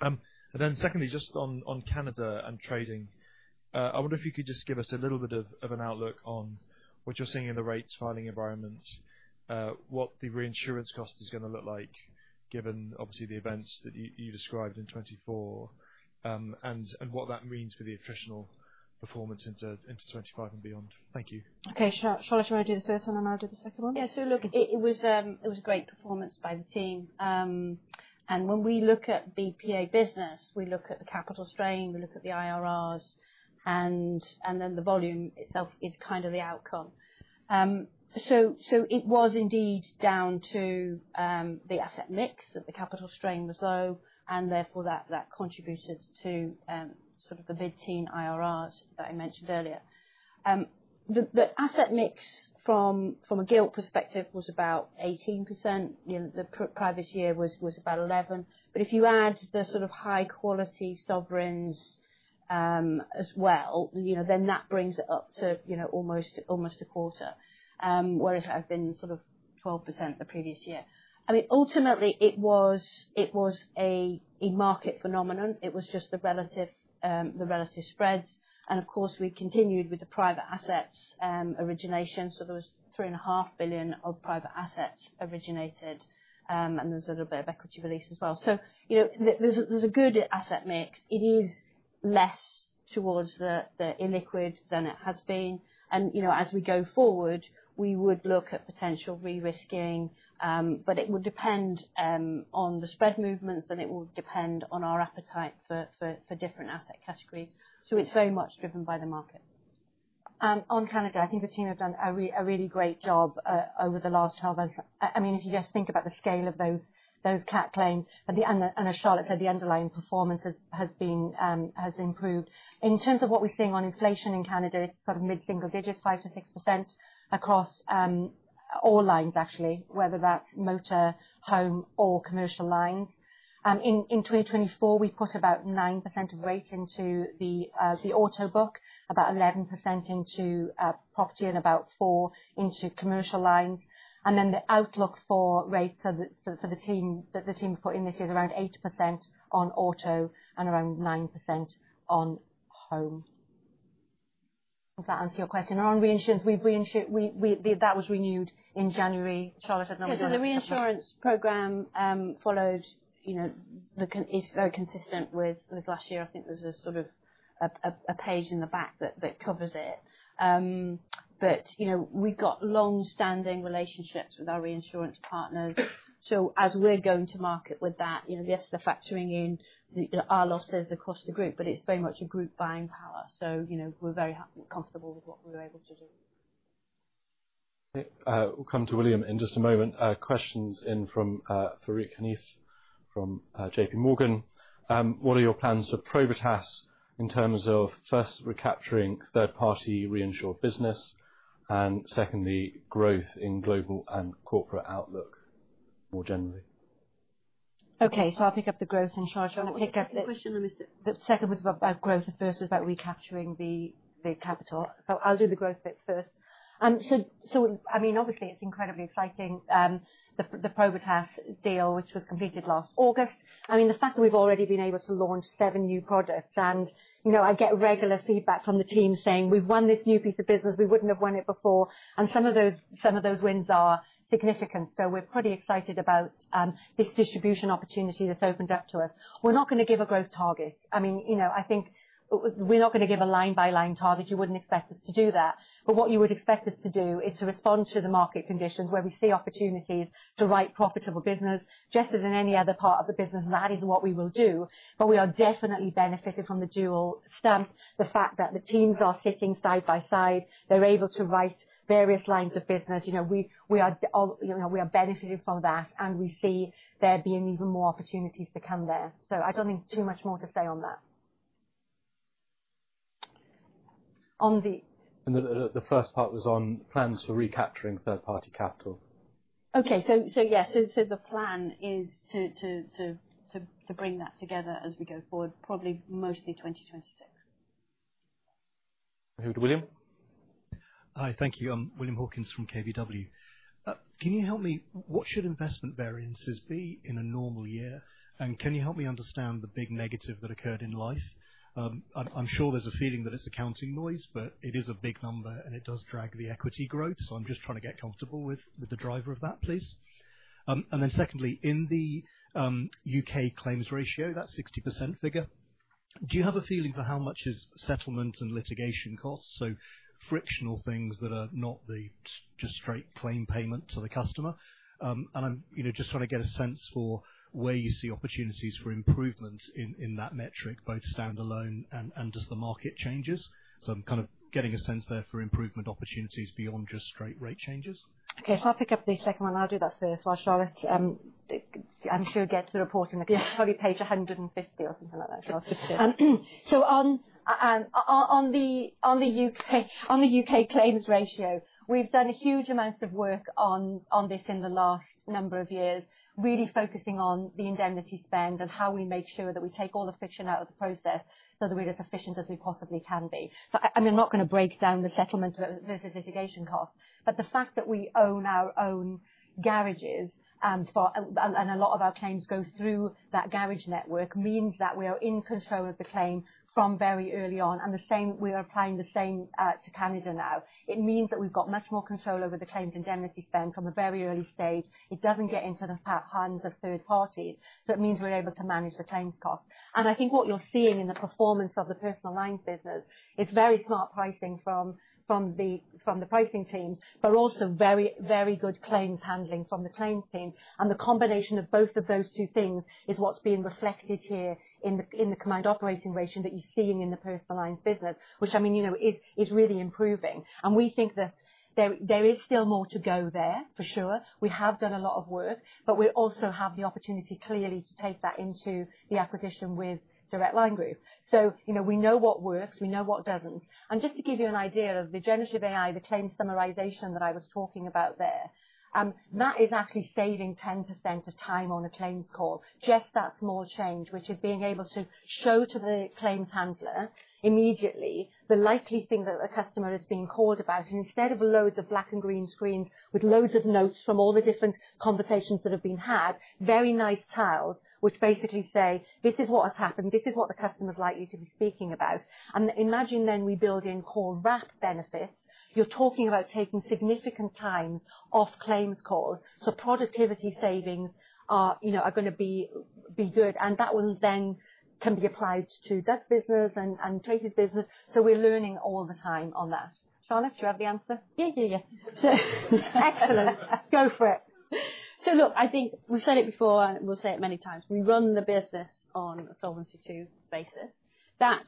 And then secondly, just on Canada and trading, I wonder if you could just give us a little bit of an outlook on what you're seeing in the rates filing environment, what the reinsurance cost is going to look like, given obviously the events that you described in 2024, and what that means for the attritional performance into 2025 and beyond? Thank you. Okay, Charlotte, do you want to do the first one and I'll do the second one? Yeah, so look, it was a great performance by the team. When we look at BPA business, we look at the capital strain, we look at the IRRs, and then the volume itself is kind of the outcome. So it was indeed down to the asset mix that the capital strain was low, and therefore that contributed to sort of the mid-teen IRRs that I mentioned earlier. The asset mix from a gilts perspective was about 18%. The prior year was about 11%. But if you add the sort of high-quality sovereigns as well, then that brings it up to almost a quarter, whereas it had been sort of 12% the previous year. I mean, ultimately, it was a market phenomenon. It was just the relative spreads. And of course, we continued with the private assets origination. So there was 3.5 billion of private assets originated, and there was a little bit of equity release as well. So there's a good asset mix. It is less towards the illiquid than it has been. And as we go forward, we would look at potential re-risking, but it would depend on the spread movements, and it will depend on our appetite for different asset categories. So it's very much driven by the market. On Canada, I think the team have done a really great job over the last 12 months. I mean, if you just think about the scale of those cat claims, and as Charlotte said, the underlying performance has improved. In terms of what we're seeing on inflation in Canada, it's sort of mid-single digits, 5%-6% across all lines, actually, whether that's motor, home, or commercial lines. In 2024, we put about 9% of rate into the auto book, about 11% into property, and about 4% into commercial lines, and then the outlook for rates for the team we put in this year is around 8% on auto and around 9% on home. Does that answer your question, and on reinsurance, that was renewed in January. Charlotte, I don't know if you know. So the reinsurance program followed. It's very consistent with last year. I think there's a sort of a page in the back that covers it. But we've got long-standing relationships with our reinsurance partners. So as we're going to market with that, yes, the factoring in our losses across the group, but it's very much a group buying power. So we're very comfortable with what we were able to do. We'll come to William in just a moment. Questions in from Farooq Hanif from J.P. Morgan. What are your plans for Probitas in terms of first, recapturing third-party reinsured business, and secondly, growth in global and corporate outlook more generally? Okay, so I'll pick up the growth and Charlotte will pick up. The second question was about growth. The first was about recapturing the capital. So I'll do the growth bit first. So I mean, obviously, it's incredibly exciting. The Probitas deal, which was completed last August. I mean, the fact that we've already been able to launch seven new products, and I get regular feedback from the team saying, "We've won this new piece of business. We wouldn't have won it before," and some of those wins are significant, so we're pretty excited about this distribution opportunity that's opened up to us. We're not going to give a growth target. I mean, I think we're not going to give a line-by-line target. You wouldn't expect us to do that. But what you would expect us to do is to respond to the market conditions where we see opportunities to write profitable business, just as in any other part of the business, that is what we will do, but we are definitely benefiting from the dual stamp, the fact that the teams are sitting side by side. They're able to write various lines of business. We are benefiting from that, and we see there being even more opportunities to come there. So I don't think too much more to say on that. And the first part was on plans for recapturing third-party capital. Okay, so yeah, so the plan is to bring that together as we go forward, probably mostly 2026. Over to William. Hi, thank you. I'm William Hawkins from KBW. Can you help me? What should investment variances be in a normal year? And can you help me understand the big negative that occurred in Life? I'm sure there's a feeling that it's accounting noise, but it is a big number, and it does drag the equity growth. So I'm just trying to get comfortable with the driver of that, please. And then secondly, in the U.K. claims ratio, that 60% figure, do you have a feeling for how much is settlement and litigation costs? So frictional things that are not just straight claim payment to the customer. And I'm just trying to get a sense for where you see opportunities for improvement in that metric, both standalone and just the market changes. So I'm kind of getting a sense there for improvement opportunities beyond just straight rate changes. Okay, so I'll pick up the second one. I'll do that first whilst Charlotte, I'm sure, gets the report in the coming page 150 or something like that. On the UK claims ratio, we've done a huge amount of work on this in the last number of years, really focusing on the indemnity spend and how we make sure that we take all the friction out of the process so that we're as efficient as we possibly can be. I'm not going to break down the settlement versus litigation costs, but the fact that we own our own garages and a lot of our claims go through that garage network means that we are in control of the claim from very early on. We are applying the same to Canada now. It means that we've got much more control over the claims indemnity spend from a very early stage. It doesn't get into the hands of third parties. It means we're able to manage the claims costs. And I think what you're seeing in the performance of the personal lines business is very smart pricing from the pricing teams, but also very good claims handling from the claims teams. And the combination of both of those two things is what's being reflected here in the combined operating ratio that you're seeing in the personal lines business, which I mean is really improving. And we think that there is still more to go there, for sure. We have done a lot of work, but we also have the opportunity clearly to take that into the acquisition with Direct Line Group. So we know what works. We know what doesn't. And just to give you an idea of the generative AI, the claims summarization that I was talking about there, that is actually saving 10% of time on a claims call. Just that small change, which is being able to show to the claims handler immediately the likely thing that the customer is being called about. And instead of loads of black and green screens with loads of notes from all the different conversations that have been had, very nice tiles which basically say, "This is what has happened. This is what the customer's likely to be speaking about." And imagine then we build in call wrap benefits. You're talking about taking significant times off claims calls. So productivity savings are going to be good. And that will then can be applied to Doug's business and Tracy's business. So we're learning all the time on that. Charlotte, do you have the answer? Yeah, yeah, yeah. Excellent. Go for it. So look, I think we've said it before and we'll say it many times. We run the business on a Solvency II basis.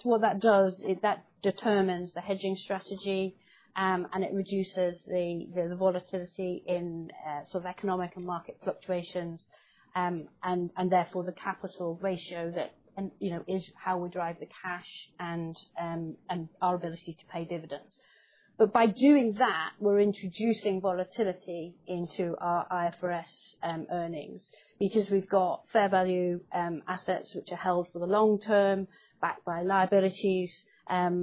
What that does is that determines the hedging strategy, and it reduces the volatility in sort of economic and market fluctuations. And therefore, the capital ratio that is how we drive the cash and our ability to pay dividends. But by doing that, we're introducing volatility into our IFRS earnings because we've got fair value assets which are held for the long term backed by liabilities. And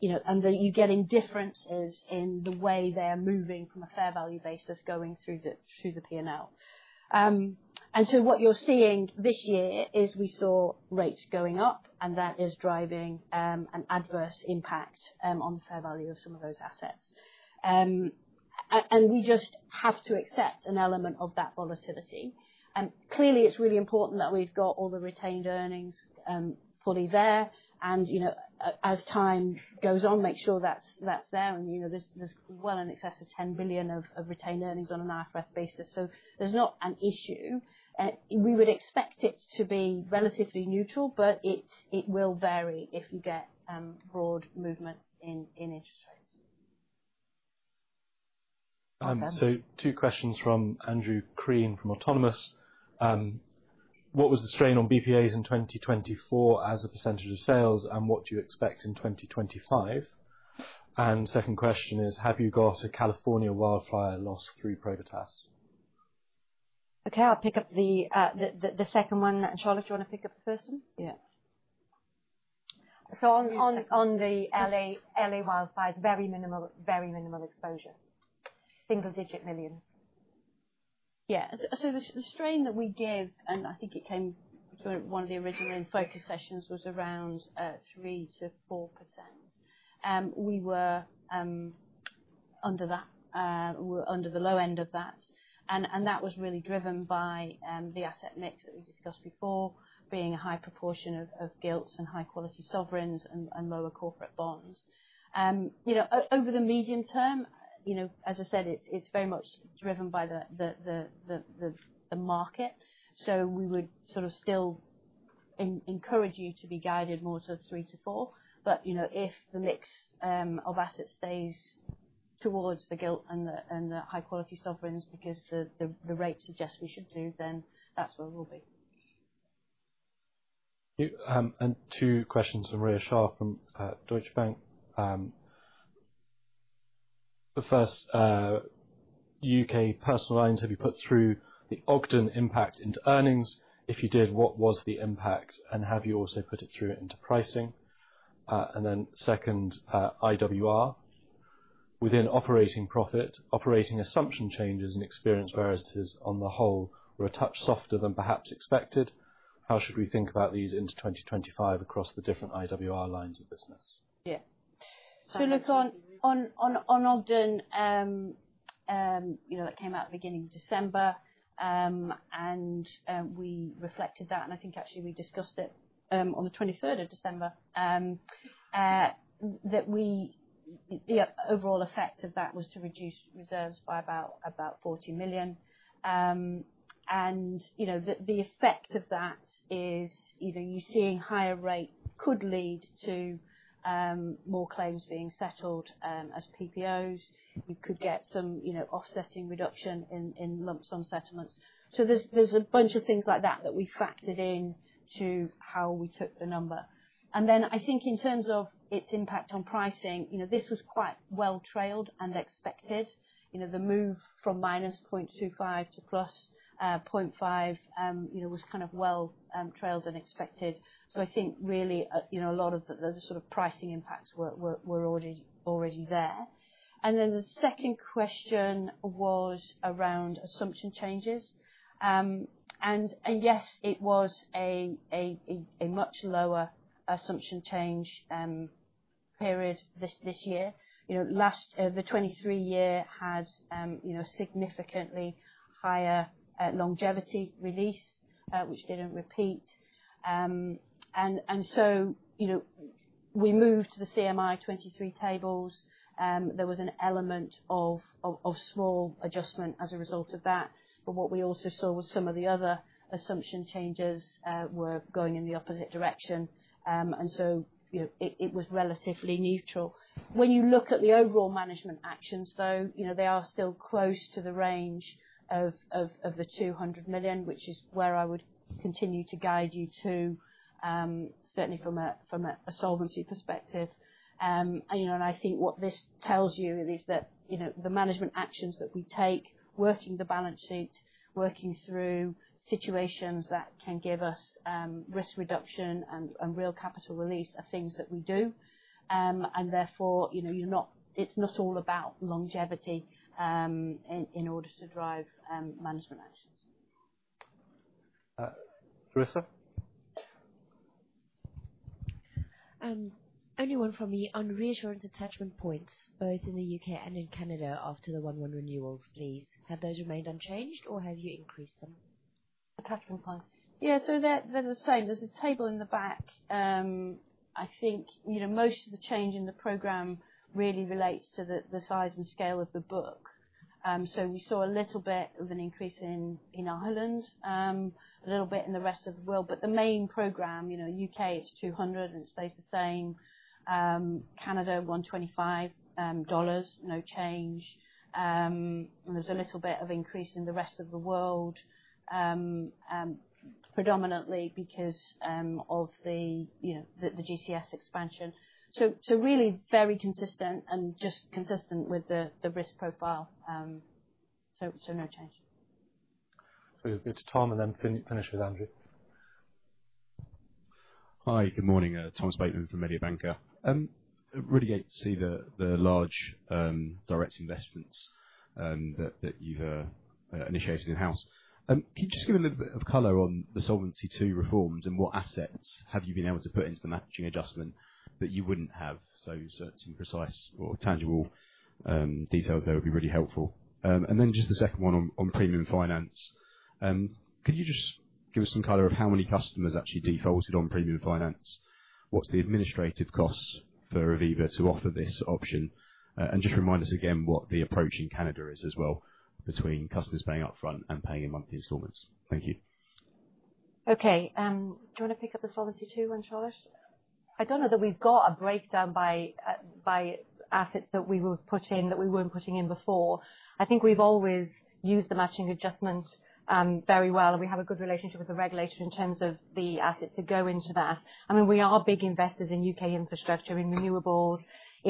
you're getting differences in the way they are moving from a fair value basis going through the P&L. And so what you're seeing this year is we saw rates going up, and that is driving an adverse impact on the fair value of some of those assets. And we just have to accept an element of that volatility. And clearly, it's really important that we've got all the retained earnings fully there. As time goes on, make sure that's there. There's well in excess of 10 billion of retained earnings on an IFRS basis. There's not an issue. We would expect it to be relatively neutral, but it will vary if you get broad movements in interest rates. Two questions from Andrew Crean from Autonomous. What was the strain on BPAs in 2024 as a percentage of sales, and what do you expect in 2025? The second question is, have you got a California wildfire loss through Probitas? Okay, I'll pick up the second one. Charlotte, do you want to pick up the first one? Yeah. On the LA wildfires, very minimal exposure. Single-digit millions. Yeah. The strain that we gave, and I think it came to one of the original focus sessions, was around 3%-4%. We were under that, under the low end of that. And that was really driven by the asset mix that we discussed before, being a high proportion of gilts and high-quality sovereigns and lower corporate bonds. Over the medium term, as I said, it's very much driven by the market. So we would sort of still encourage you to be guided more to 3%-4%. But if the mix of assets stays towards the gilt and the high-quality sovereigns because the rates suggest we should do, then that's where we'll be. And two questions from Rhea Shah from Deutsche Bank. The first, UK personal lines, have you put through the Ogden impact into earnings? If you did, what was the impact? And have you also put it through into pricing? And then second, IWR. Within operating profit, operating assumption changes and experience variances on the whole were a touch softer than perhaps expected. How should we think about these into 2025 across the different IWR lines of business? Yeah. So look, on Ogden that came out at the beginning of December, and we reflected that. And I think actually we discussed it on the 23rd of December, that the overall effect of that was to reduce reserves by about 40 million. And the effect of that is you're seeing higher rate could lead to more claims being settled as PPOs. You could get some offsetting reduction in lump sum settlements. So there's a bunch of things like that that we factored in to how we took the number. And then I think in terms of its impact on pricing, this was quite well trailed and expected. The move from minus 0.25 to plus 0.5 was kind of well trailed and expected, so I think really a lot of the sort of pricing impacts were already there. And then the second question was around assumption changes, and yes, it was a much lower assumption change period this year. The 2023 year had significantly higher longevity release, which didn't repeat, and so we moved to the CMI 2023 tables. There was an element of small adjustment as a result of that. But what we also saw was some of the other assumption changes were going in the opposite direction, and so it was relatively neutral. When you look at the overall management actions, though, they are still close to the range of the £200 million, which is where I would continue to guide you to, certainly from a solvency perspective. And I think what this tells you is that the management actions that we take, working the balance sheet, working through situations that can give us risk reduction and real capital release are things that we do. And therefore, it's not all about longevity in order to drive management actions. Theresa? Only one from me on reinsurance attachment points, both in the U.K. and in Canada after the 1/1 renewals, please. Have those remained unchanged, or have you increased them? Attachment points. Yeah, so they're the same. There's a table in the back. I think most of the change in the program really relates to the size and scale of the book. So we saw a little bit of an increase in Ireland, a little bit in the rest of the world. But the main program, U.K., it's 200 and stays the same. Canada, 125 dollars, no change. There's a little bit of increase in the rest of the world, predominantly because of the GCS expansion. So really very consistent and just consistent with the risk profile. So no change. We'll go to Tom and then finish with Andrew. Hi, good morning. Tom Bateman from Mediobanca. Really great to see the large direct investments that you've initiated in-house. Can you just give a little bit of color on the Solvency II reforms and what assets have you been able to put into the Matching Adjustment that you wouldn't have? So certain precise or tangible details there would be really helpful. And then just the second one on premium finance. Could you just give us some color of how many customers actually defaulted on premium finance? What's the administrative cost for Aviva to offer this option? And just remind us again what the approach in Canada is as well between customers paying upfront and paying in monthly installments. Thank you. Okay. Do you want to pick up the Solvency II one, Charlotte? I don't know that we've got a breakdown by assets that we were putting that we weren't putting in before. I think we've always used the Matching Adjustment very well, and we have a good relationship with the regulator in terms of the assets that go into that. I mean, we are big investors in U.K. infrastructure, in renewables, in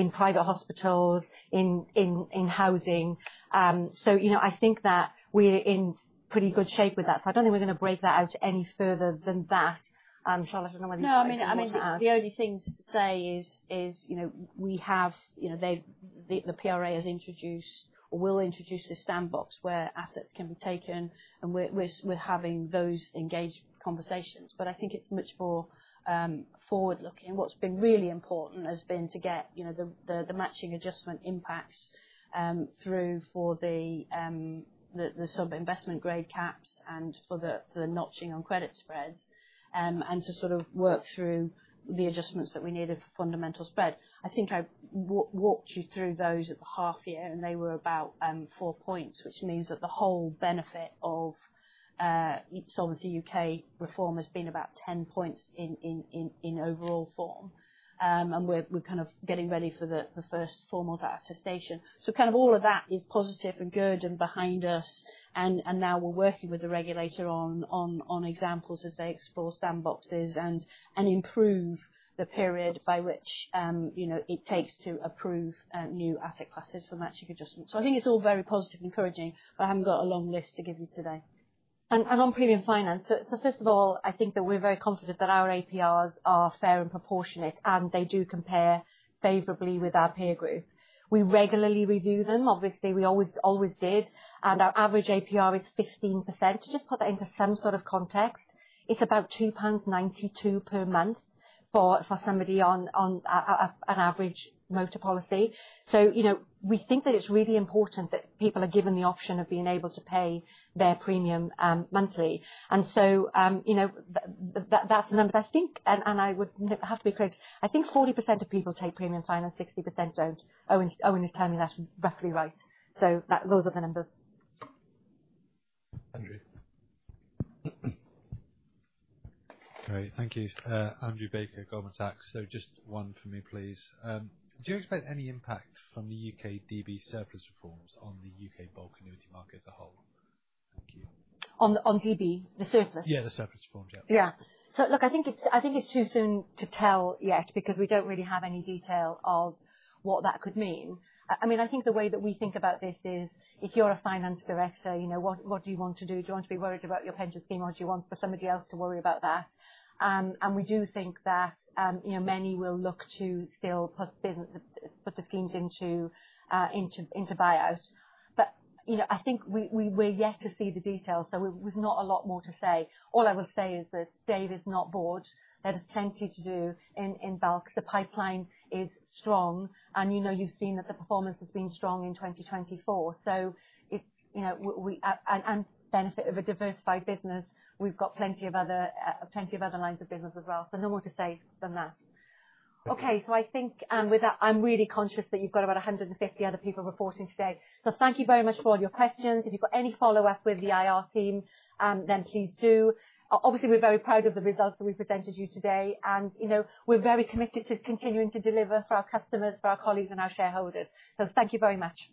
private hospitals, in housing. So I think that we're in pretty good shape with that. So I don't think we're going to break that out any further than that. Charlotte, I don't know whether you've got anything to add. No, I mean, the only thing to say is we have the PRA has introduced or will introduce a sandbox where assets can be taken, and we're having those engaged conversations, but I think it's much more forward-looking. What's been really important has been to get the Matching Adjustment impacts through for the sub-investment-grade caps and for the notching on credit spreads and to sort of work through the adjustments that we needed for Fundamental Spread. I think I walked you through those at the half-year, and they were about four points, which means that the whole benefit of Solvency UK reform has been about 10 points in overall form, and we're kind of getting ready for the first formal attestation, so kind of all of that is positive and good and behind us. And now we're working with the regulator on examples as they explore sandboxes and improve the period by which it takes to approve new asset classes for Matching Adjustments. So I think it's all very positive and encouraging, but I haven't got a long list to give you today. And on premium finance, so first of all, I think that we're very confident that our APRs are fair and proportionate, and they do compare favorably with our peer group. We regularly review them. Obviously, we always did. And our average APR is 15%. Just put that into some sort of context. It's about 2.92 pounds per month for somebody on an average motor policy. So we think that it's really important that people are given the option of being able to pay their premium monthly. And so that's the numbers. I think, and I would have to be correct, I think 40% of people take premium finance, 60% don't. Owen is telling me that's roughly right. So those are the numbers. Andrew. Great. Thank you. Andrew Baker, Goldman Sachs. So just one for me, please. Do you expect any impact from the UK DB surplus reforms on the UK bulk annuity market as a whole? Thank you. On DB, the surplus? Yeah, the surplus reforms, yeah. Yeah. So look, I think it's too soon to tell yet because we don't really have any detail of what that could mean. I mean, I think the way that we think about this is if you're a finance director, what do you want to do? Do you want to be worried about your pension scheme, or do you want for somebody else to worry about that? And we do think that many will look to still put the schemes into buyout. But I think we're yet to see the details, so we've not a lot more to say. All I will say is that Dave is not bored. There's plenty to do in bulk. The pipeline is strong, and you've seen that the performance has been strong in 2024. So and benefit of a diversified business, we've got plenty of other lines of business as well. So no more to say than that. Okay, so I think with that, I'm really conscious that you've got about 150 other people reporting today. So thank you very much for all your questions. If you've got any follow-up with the IR team, then please do. Obviously, we're very proud of the results that we presented you today. And we're very committed to continuing to deliver for our customers, for our colleagues, and our shareholders. So thank you very much.